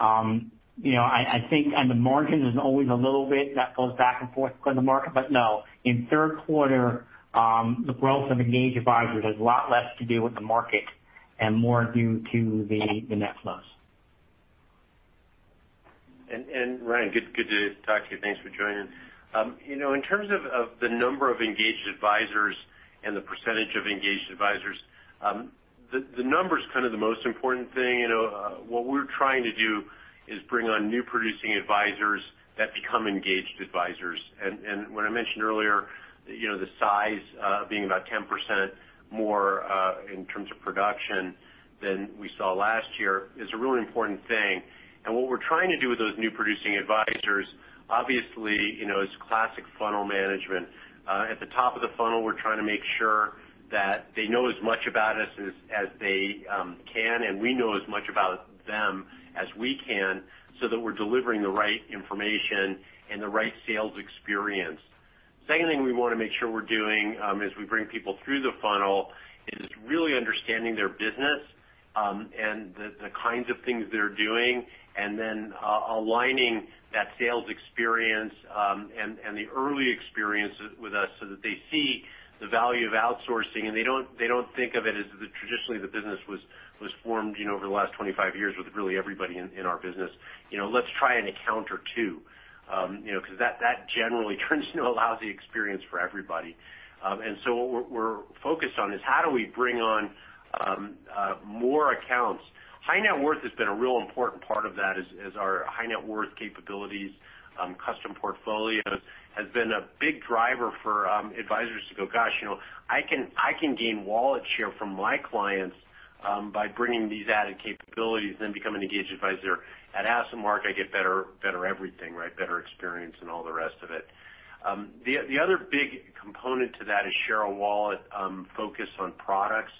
Speaker 4: I think on the margin, there's always a little bit that goes back and forth according to market, but no. In third quarter, the growth of engaged advisors has a lot less to do with the market and more due to the net flows.
Speaker 3: Ryan, good to talk to you. Thanks for joining. In terms of the number of engaged advisors and the percentage of engaged advisors, the number's kind of the most important thing. What we're trying to do is bring on new producing advisors that become engaged advisors. What I mentioned earlier, the size being about 10% more in terms of production than we saw last year, is a really important thing. What we're trying to do with those new producing advisors, obviously, is classic funnel management. At the top of the funnel, we're trying to make sure that they know as much about us as they can, and we know as much about them as we can so that we're delivering the right information and the right sales experience. Second thing we want to make sure we're doing as we bring people through the funnel is really understanding their business, and the kinds of things they're doing, and then aligning that sales experience and the early experience with us so that they see the value of outsourcing, and they don't think of it as traditionally the business was formed over the last 25 years with really everybody in our business. Let's try an account or two because that generally turns into a lousy experience for everybody. What we're focused on is how do we bring on more accounts. High net worth has been a real important part of that as our high net worth capabilities. Custom portfolios has been a big driver for advisors to go, "Gosh, I can gain wallet share from my clients by bringing these added capabilities, then become an engaged advisor. At AssetMark, I get better everything, right? Better experience and all the rest of it. The other big component to that is share-of-wallet focus on products.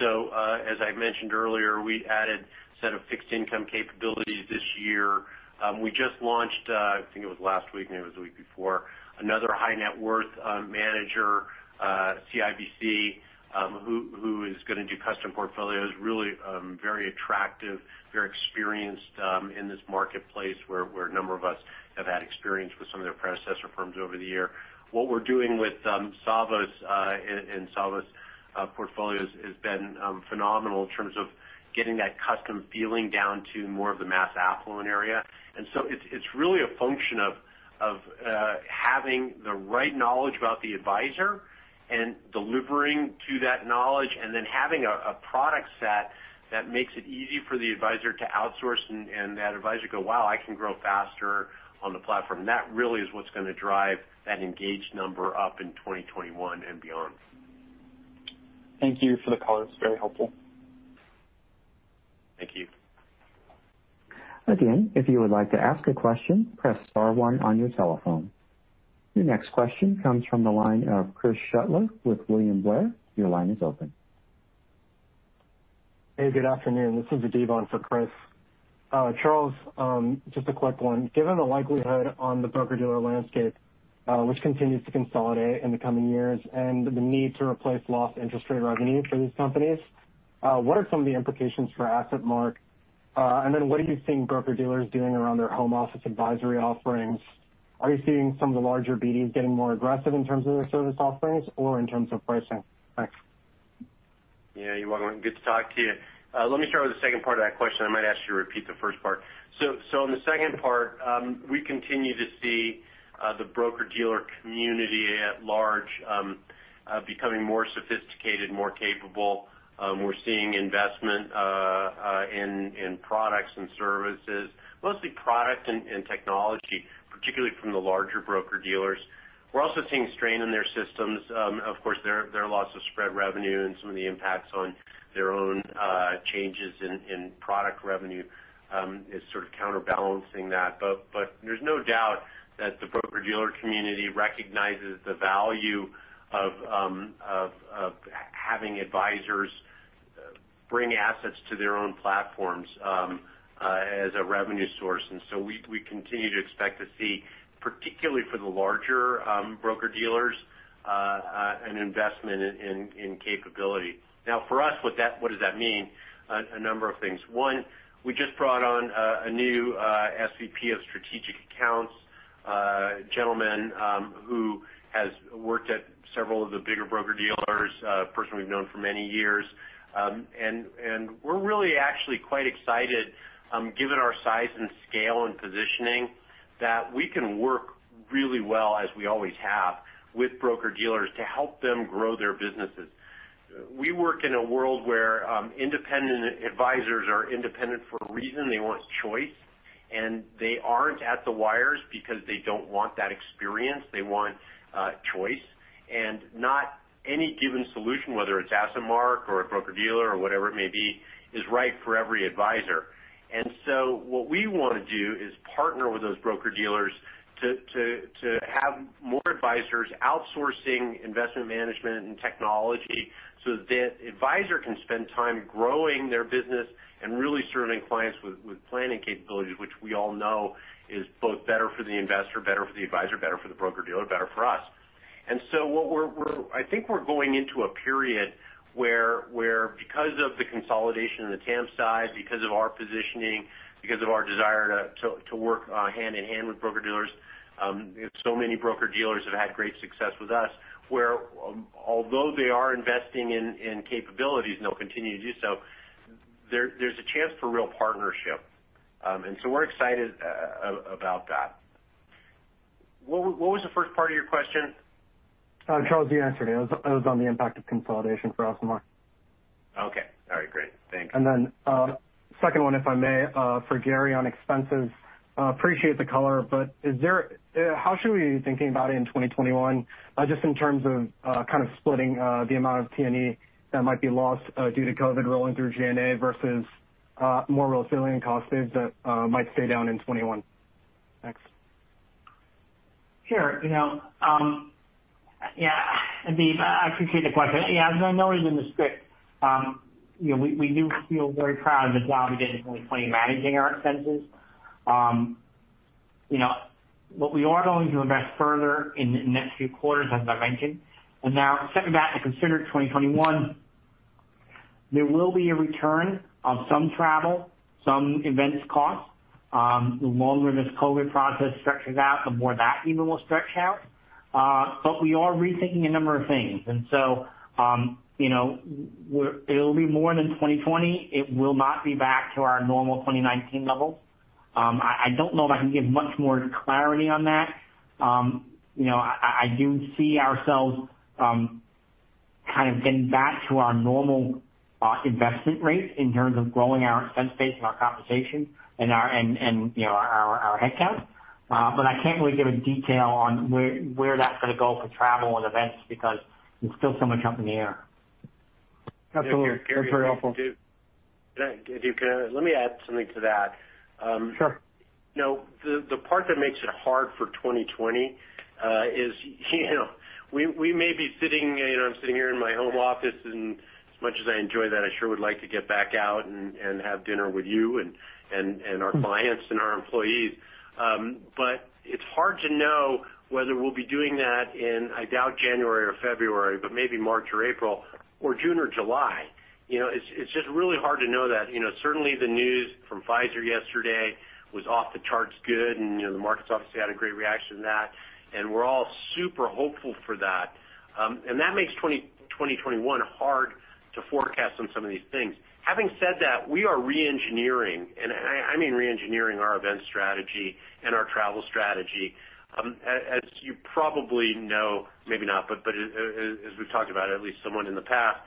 Speaker 3: As I mentioned earlier, we added a set of fixed income capabilities this year. We just launched, I think it was last week, maybe it was the week before, another high net worth manager, CIBC who is going to do custom portfolios. Really very attractive, very experienced in this marketplace where a number of us have had experience with some of their predecessor firms over the year. What we're doing with Savos and Savos portfolios has been phenomenal in terms of getting that custom feeling down to more of the mass affluent area. It's really a function of having the right knowledge about the advisor and delivering to that knowledge, and then having a product set that makes it easy for the advisor to outsource and that advisor go, "Wow, I can grow faster on the platform." That really is what's going to drive that engaged number up in 2021 and beyond.
Speaker 6: Thank you for the color. It's very helpful.
Speaker 3: Thank you.
Speaker 1: Again if you would like to ask a question, press star one one on your telephone. Your next question comes from the line of Chris Shutler with William Blair.
Speaker 7: Hey, good afternoon. This is Adib on for Chris. Charles, just a quick one. Given the likelihood on the broker-dealer landscape which continues to consolidate in the coming years and the need to replace lost interest rate revenue for these companies, what are some of the implications for AssetMark? Then what are you seeing broker-dealers doing around their home office advisory offerings? Are you seeing some of the larger BDs getting more aggressive in terms of their service offerings or in terms of pricing? Thanks.
Speaker 3: Yeah, you're welcome. Good to talk to you. Let me start with the second part of that question. I might ask you to repeat the first part. In the second part, we continue to see the broker-dealer community at large becoming more sophisticated, more capable. We're seeing investment in products and services, mostly product and technology, particularly from the larger broker-dealers. We're also seeing strain in their systems. Of course, their loss of spread revenue and some of the impacts on their own changes in product revenue is sort of counterbalancing that. There's no doubt that the broker-dealer community recognizes the value of having advisors bring assets to their own platforms as a revenue source. We continue to expect to see, particularly for the larger broker-dealers, an investment in capability. Now, for us, what does that mean? A number of things. One, we just brought on a new SVP of strategic accounts, a gentleman who has worked at several of the bigger broker-dealers, a person we've known for many years. We're really actually quite excited given our size and scale and positioning, that we can work really well as we always have with broker-dealers to help them grow their businesses. We work in a world where independent advisors are independent for a reason. They want choice. They aren't at the wires because they don't want that experience. They want choice. Not any given solution, whether it's AssetMark or a broker-dealer or whatever it may be, is right for every advisor. What we want to do is partner with those broker-dealers to have more advisors outsourcing investment management and technology so that advisor can spend time growing their business and really serving clients with planning capabilities, which we all know is both better for the investor, better for the advisor, better for the broker-dealer, better for us. I think we're going into a period where because of the consolidation on the TAMP side, because of our positioning, because of our desire to work hand-in-hand with broker-dealers, so many broker-dealers have had great success with us, where although they are investing in capabilities, and they'll continue to do so, there's a chance for real partnership. We're excited about that. What was the first part of your question?
Speaker 7: Charles, you answered it. It was on the impact of consolidation for AssetMark.
Speaker 3: Okay. All right, great. Thanks.
Speaker 7: Then, second one, if I may, for Gary on expenses. Appreciate the color, but how should we be thinking about it in 2021, just in terms of splitting the amount of T&E that might be lost due to COVID rolling through G&A versus more real savings that might stay down in 2021? Thanks.
Speaker 4: Sure. Adib, I appreciate the question. As I noted in the script, we do feel very proud of the job we did in 2020 managing our expenses. What we are going to invest further in the next few quarters, as I mentioned. Now stepping back to consider 2021, there will be a return of some travel, some events cost. The longer this COVID process stretches out, the more that even will stretch out. We are rethinking a number of things. It'll be more than 2020. It will not be back to our normal 2019 level. I don't know if I can give much more clarity on that. I do see ourselves getting back to our normal investment rate in terms of growing our expense base and our compensation and our headcount. I can't really give a detail on where that's going to go for travel and events, because there's still so much up in the air.
Speaker 7: Absolutely. That's very helpful.
Speaker 3: If you could, let me add something to that.
Speaker 7: Sure.
Speaker 3: The part that makes it hard for 2020 is we may be sitting, I'm sitting here in my home office, and as much as I enjoy that, I sure would like to get back out and have dinner with you and our clients and our employees. It's hard to know whether we'll be doing that in, I doubt January or February, but maybe March or April, or June or July. It's just really hard to know that. Certainly, the news from Pfizer yesterday was off the charts good, the markets obviously had a great reaction to that. We're all super hopeful for that. That makes 2021 hard to forecast on some of these things. Having said that, we are re-engineering, and I mean re-engineering our event strategy and our travel strategy. As you probably know, maybe not, but as we've talked about, at least somewhat in the past.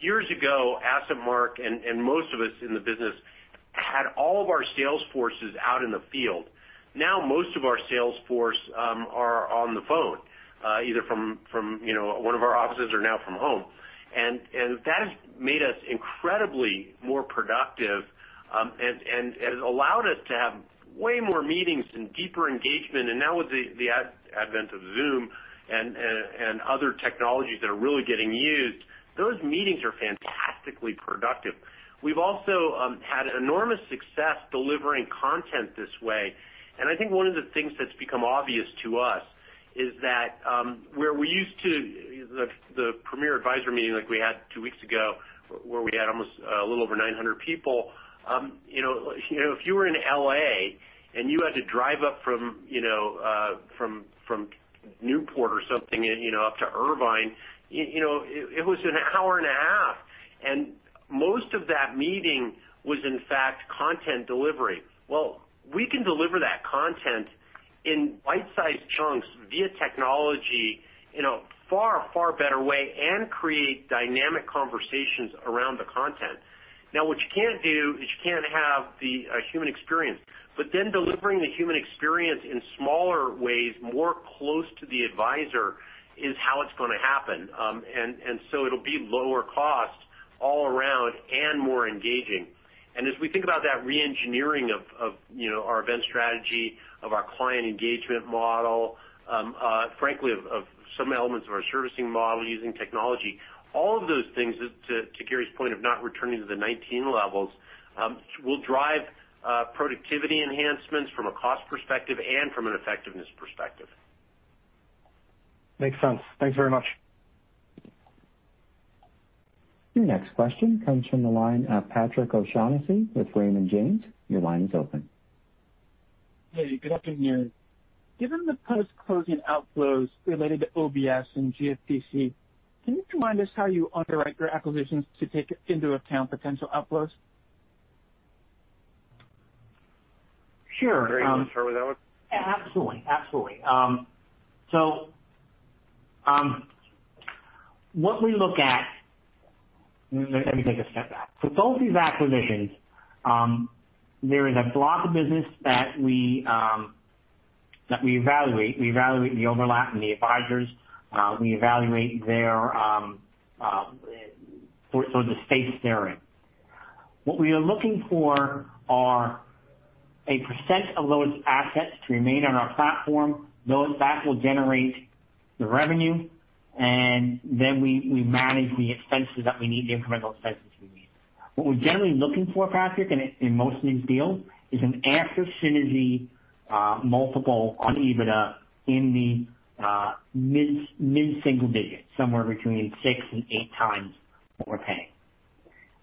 Speaker 3: Years ago, AssetMark and most of us in the business had all of our sales forces out in the field. Most of our sales force are on the phone either from one of our offices or now from home. That has made us incredibly more productive, and it allowed us to have way more meetings and deeper engagement. Now with the advent of Zoom and other technologies that are really getting used, those meetings are fantastically productive. We've also had enormous success delivering content this way. I think one of the things that's become obvious to us is that where we used to The premier advisor meeting like we had two weeks ago, where we had a little over 900 people. If you were in L.A. and you had to drive up from Newport or something up to Irvine, it was an hour and a half, and most of that meeting was, in fact, content delivery. Well, we can deliver that content in bite-sized chunks via technology in a far, far better way and create dynamic conversations around the content. Now, what you can't do is you can't have the human experience. Delivering the human experience in smaller ways, more close to the advisor is how it's going to happen. It'll be lower cost all around and more engaging. As we think about that re-engineering of our event strategy, of our client engagement model, frankly, of some elements of our servicing model using technology, all of those things, to Gary's point of not returning to the 2019 levels, will drive productivity enhancements from a cost perspective and from an effectiveness perspective.
Speaker 7: Makes sense. Thanks very much.
Speaker 1: Your next question comes from the line of Patrick O'Shaughnessy with Raymond James. Your line is open.
Speaker 8: Hey, good afternoon. Given the post-closing outflows related to OBS and GFPC, can you remind us how you underwrite your acquisitions to take into account potential outflows?
Speaker 4: Sure.
Speaker 3: Gary, do you want to start with that one?
Speaker 4: Absolutely. Let me take a step back. Both these acquisitions, there is a block of business that we evaluate. We evaluate the overlap and the advisors. We evaluate the space they're in. What we are looking for are a percent of those assets to remain on our platform. That will generate the revenue, and then we manage the expenses that we need, the incremental expenses we need. What we're generally looking for, Patrick, in most of these deals, is an after-synergy multiple on EBITDA in the mid-single digits, somewhere between six and eight times what we're paying.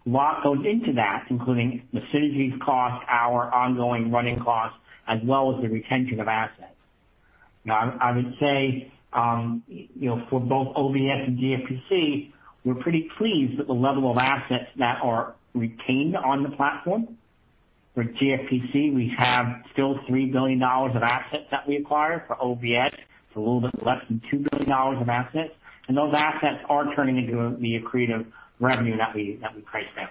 Speaker 4: A lot goes into that, including the synergies cost, our ongoing running costs, as well as the retention of assets. Now, I would say for both OBS and GFPC, we're pretty pleased with the level of assets that are retained on the platform. For GFPC, we have still $3 billion of assets that we acquired. For OBS, it's a little bit less than $2 billion of assets. Those assets are turning into the accretive revenue that we priced out.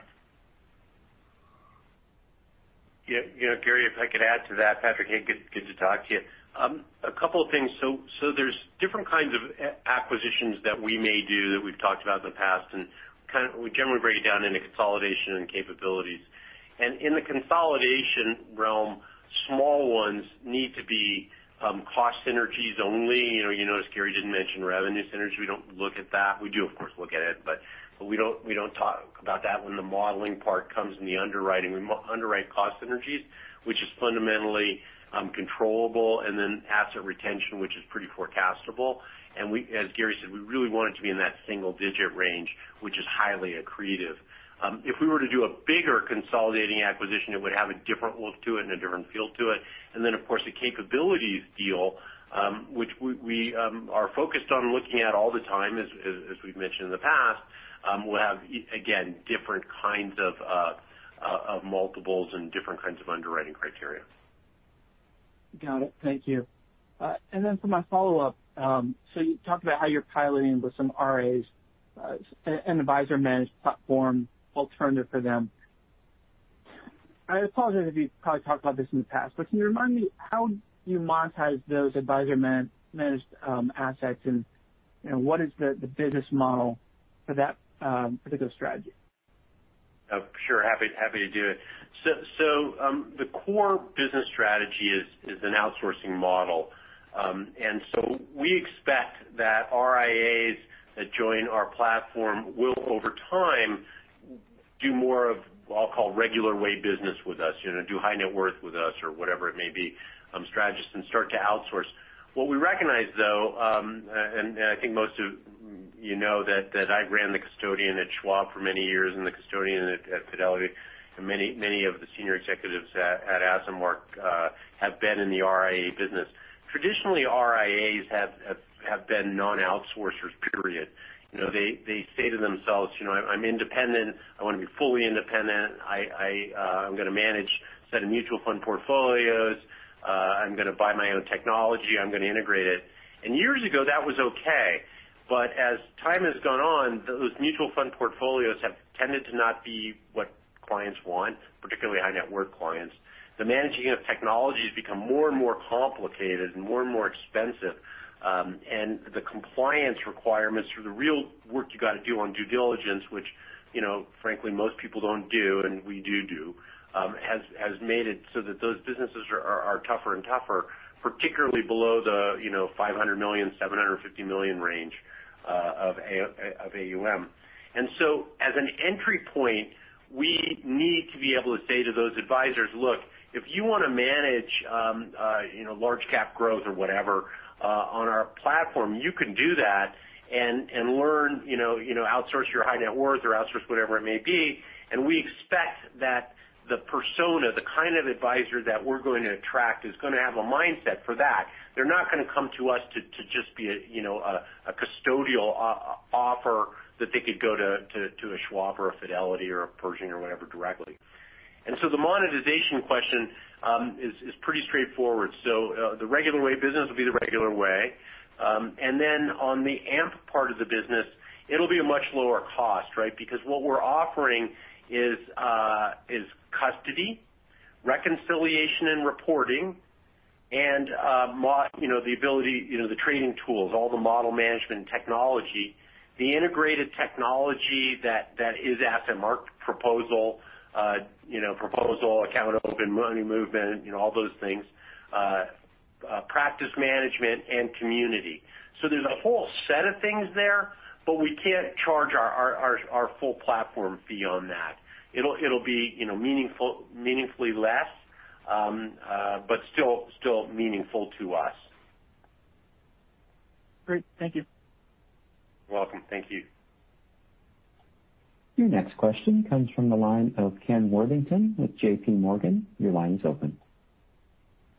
Speaker 3: Yeah. Gary, if I could add to that. Patrick, hey, good to talk to you. A couple of things. There's different kinds of acquisitions that we may do that we've talked about in the past, we generally break it down into consolidation and capabilities. In the consolidation realm, small ones need to be cost synergies only. You notice Gary didn't mention revenue synergy. We don't look at that. We do, of course, look at it, but we don't talk about that when the modeling part comes in the underwriting. We underwrite cost synergies, which is fundamentally controllable, and then asset retention, which is pretty forecastable. As Gary said, we really want it to be in that single-digit range, which is highly accretive. If we were to do a bigger consolidating acquisition, it would have a different look to it and a different feel to it. Of course, the capabilities deal, which we are focused on looking at all the time, as we've mentioned in the past, will have, again, different kinds of multiples and different kinds of underwriting criteria.
Speaker 8: Got it. Thank you. For my follow-up, you talked about how you're piloting with some RIAs an advisor-managed platform alternative for them. I apologize if you probably talked about this in the past, can you remind me how you monetize those advisor-managed assets, and what is the business model for that particular strategy?
Speaker 3: Sure. Happy to do it. The core business strategy is an outsourcing model. We expect that RIAs that join our platform will, over time, do more of, I'll call, regular way business with us, do high net worth with us or whatever it may be, strategists, and start to outsource. What we recognize, though, and I think most of you know that I ran the custodian at Schwab for many years and the custodian at Fidelity, and many of the senior executives at AssetMark have been in the RIA business. Traditionally, RIAs have been non-outsourcers, period. They say to themselves, I'm independent. I want to be fully independent. I'm going to manage a set of mutual fund portfolios. I'm going to buy my own technology. I'm going to integrate it. Years ago, that was okay. As time has gone on, those mutual fund portfolios have tended to not be what clients want, particularly high net worth clients. The managing of technology has become more and more complicated and more and more expensive. The compliance requirements for the real work you got to do on due diligence, which frankly most people don't do, and we do do, has made it so that those businesses are tougher and tougher, particularly below the $500 million, $750 million range of AUM. As an entry point, we need to be able to say to those advisors, "Look, if you want to manage large cap growth or whatever on our platform, you can do that and outsource your high net worth or outsource whatever it may be." We expect that the persona, the kind of advisor that we're going to attract is going to have a mindset for that. They're not going to come to us to just be a custodial offer that they could go to a Schwab or a Fidelity or a Pershing or whatever directly. The monetization question is pretty straightforward. The regular way business will be the regular way. On the AMP part of the business, it'll be a much lower cost because what we're offering is custody, reconciliation and reporting, and the trading tools, all the model management and technology, the integrated technology that is AssetMark proposal account open, money movement, all those things, practice management, and community. There's a whole set of things there, but we can't charge our full platform fee on that. It'll be meaningfully less but still meaningful to us.
Speaker 8: Great. Thank you.
Speaker 3: You're welcome. Thank you.
Speaker 1: Your next question comes from the line of Ken Worthington with JPMorgan.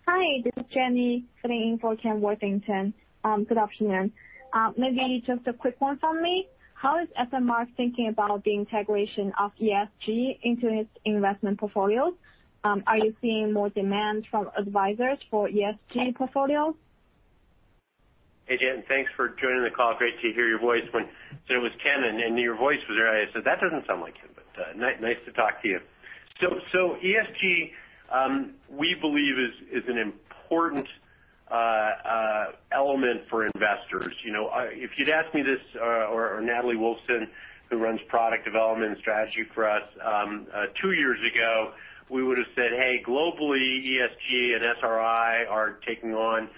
Speaker 9: Hi, this is Jenny sitting in for Ken Worthington. Good afternoon. Maybe just a quick one from me. How is AssetMark thinking about the integration of ESG into its investment portfolios? Are you seeing more demand from advisors for ESG portfolios?
Speaker 3: Hey, Jenny. Thanks for joining the call. Great to hear your voice. When it was Ken and your voice was there, I said, "That doesn't sound like him," but nice to talk to you. ESG, we believe is an important element for investors. If you'd asked me this or Natalie Wolfsen, who runs product development and strategy for us, two years ago, we would've said, "Hey, globally, ESG and SRI are taking on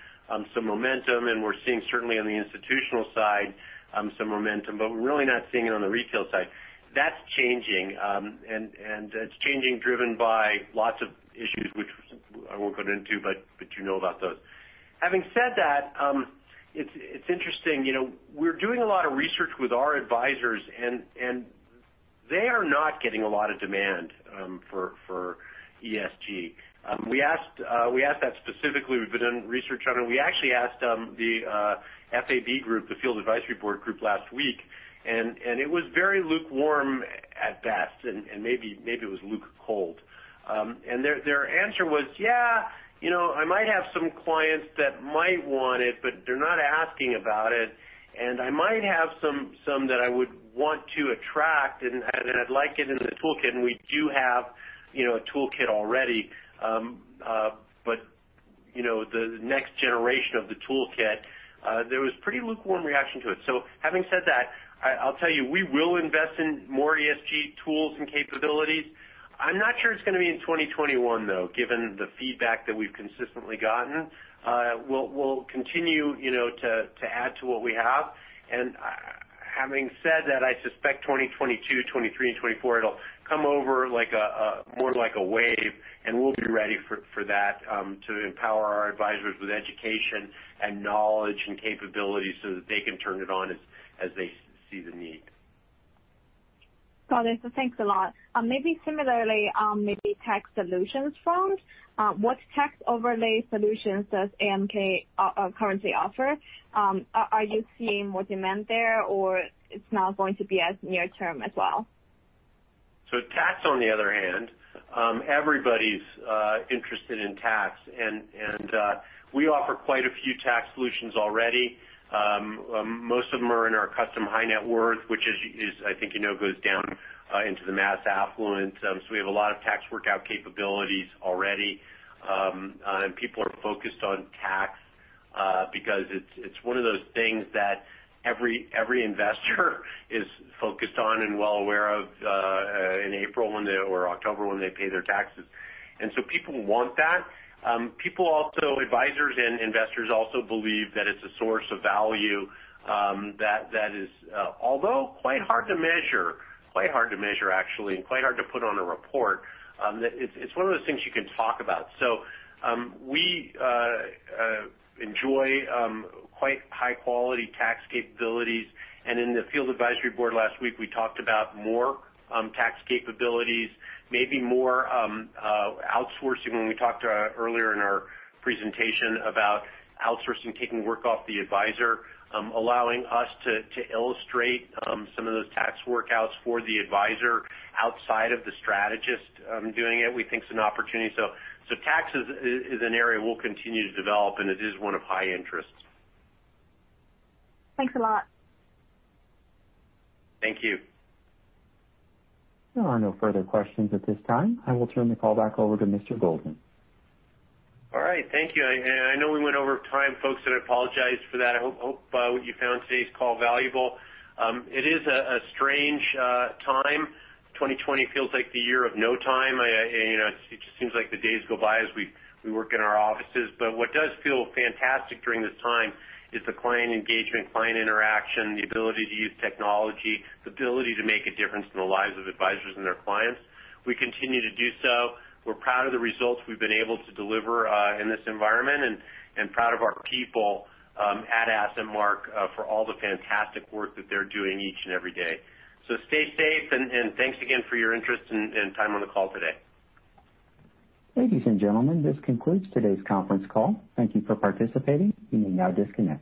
Speaker 3: some momentum, and we're seeing certainly on the institutional side some momentum, but we're really not seeing it on the retail side." That's changing, and it's changing driven by lots of issues, which I won't go into, but you know about those. Having said that, it's interesting. We're doing a lot of research with our advisors, and they are not getting a lot of demand for ESG. We asked that specifically. We've been doing research on it. We actually asked the FAB group, the Field Advisory Board group last week. It was very lukewarm at best. Maybe it was luke cold. Their answer was, "Yeah, I might have some clients that might want it, but they're not asking about it, and I might have some that I would want to attract, and I'd like it in the toolkit, and we do have a toolkit already, but the next generation of the toolkit." There was pretty lukewarm reaction to it. Having said that, I'll tell you, we will invest in more ESG tools and capabilities. I'm not sure it's going to be in 2021, though, given the feedback that we've consistently gotten. We'll continue to add to what we have. Having said that, I suspect 2022, 2023, and 2024, it'll come over more like a wave, and we'll be ready for that to empower our advisors with education and knowledge and capabilities so that they can turn it on as they see the need.
Speaker 9: Got it. Thanks a lot. Maybe similarly, maybe tax solutions funds. What tax overlay solutions does AssetMark currently offer? Are you seeing more demand there, or it's not going to be as near-term as well?
Speaker 3: Tax, on the other hand, everybody's interested in tax, and we offer quite a few tax solutions already. Most of them are in our custom high net worth, which I think you know goes down into the mass affluent. We have a lot of tax workout capabilities already. People are focused on tax because it's one of those things that every investor is focused on and well aware of in April or October when they pay their taxes. People want that. People, also advisors and investors, also believe that it's a source of value that is, although quite hard to measure, quite hard to measure actually, and quite hard to put on a report, it's one of those things you can talk about. We enjoy quite high-quality tax capabilities, and in the Field Advisory Board last week, we talked about more tax capabilities, maybe more outsourcing when we talked earlier in our presentation about outsourcing, taking work off the advisor allowing us to illustrate some of those tax workouts for the advisor outside of the strategist doing it, we think is an opportunity. Tax is an area we'll continue to develop, and it is one of high interest.
Speaker 9: Thanks a lot.
Speaker 3: Thank you.
Speaker 1: There are no further questions at this time. I will turn the call back over to Charles Goldman.
Speaker 3: All right. Thank you. I know we went over time, folks, and I apologize for that. I hope what you found today's call valuable. It is a strange time. 2020 feels like the year of no time. It just seems like the days go by as we work in our offices. What does feel fantastic during this time is the client engagement, client interaction, the ability to use technology, the ability to make a difference in the lives of advisors and their clients. We continue to do so. We're proud of the results we've been able to deliver in this environment and proud of our people at AssetMark for all the fantastic work that they're doing each and every day. Stay safe, and thanks again for your interest and time on the call today.
Speaker 1: Ladies and gentlemen, this concludes today's conference call. Thank you for participating. You may now disconnect.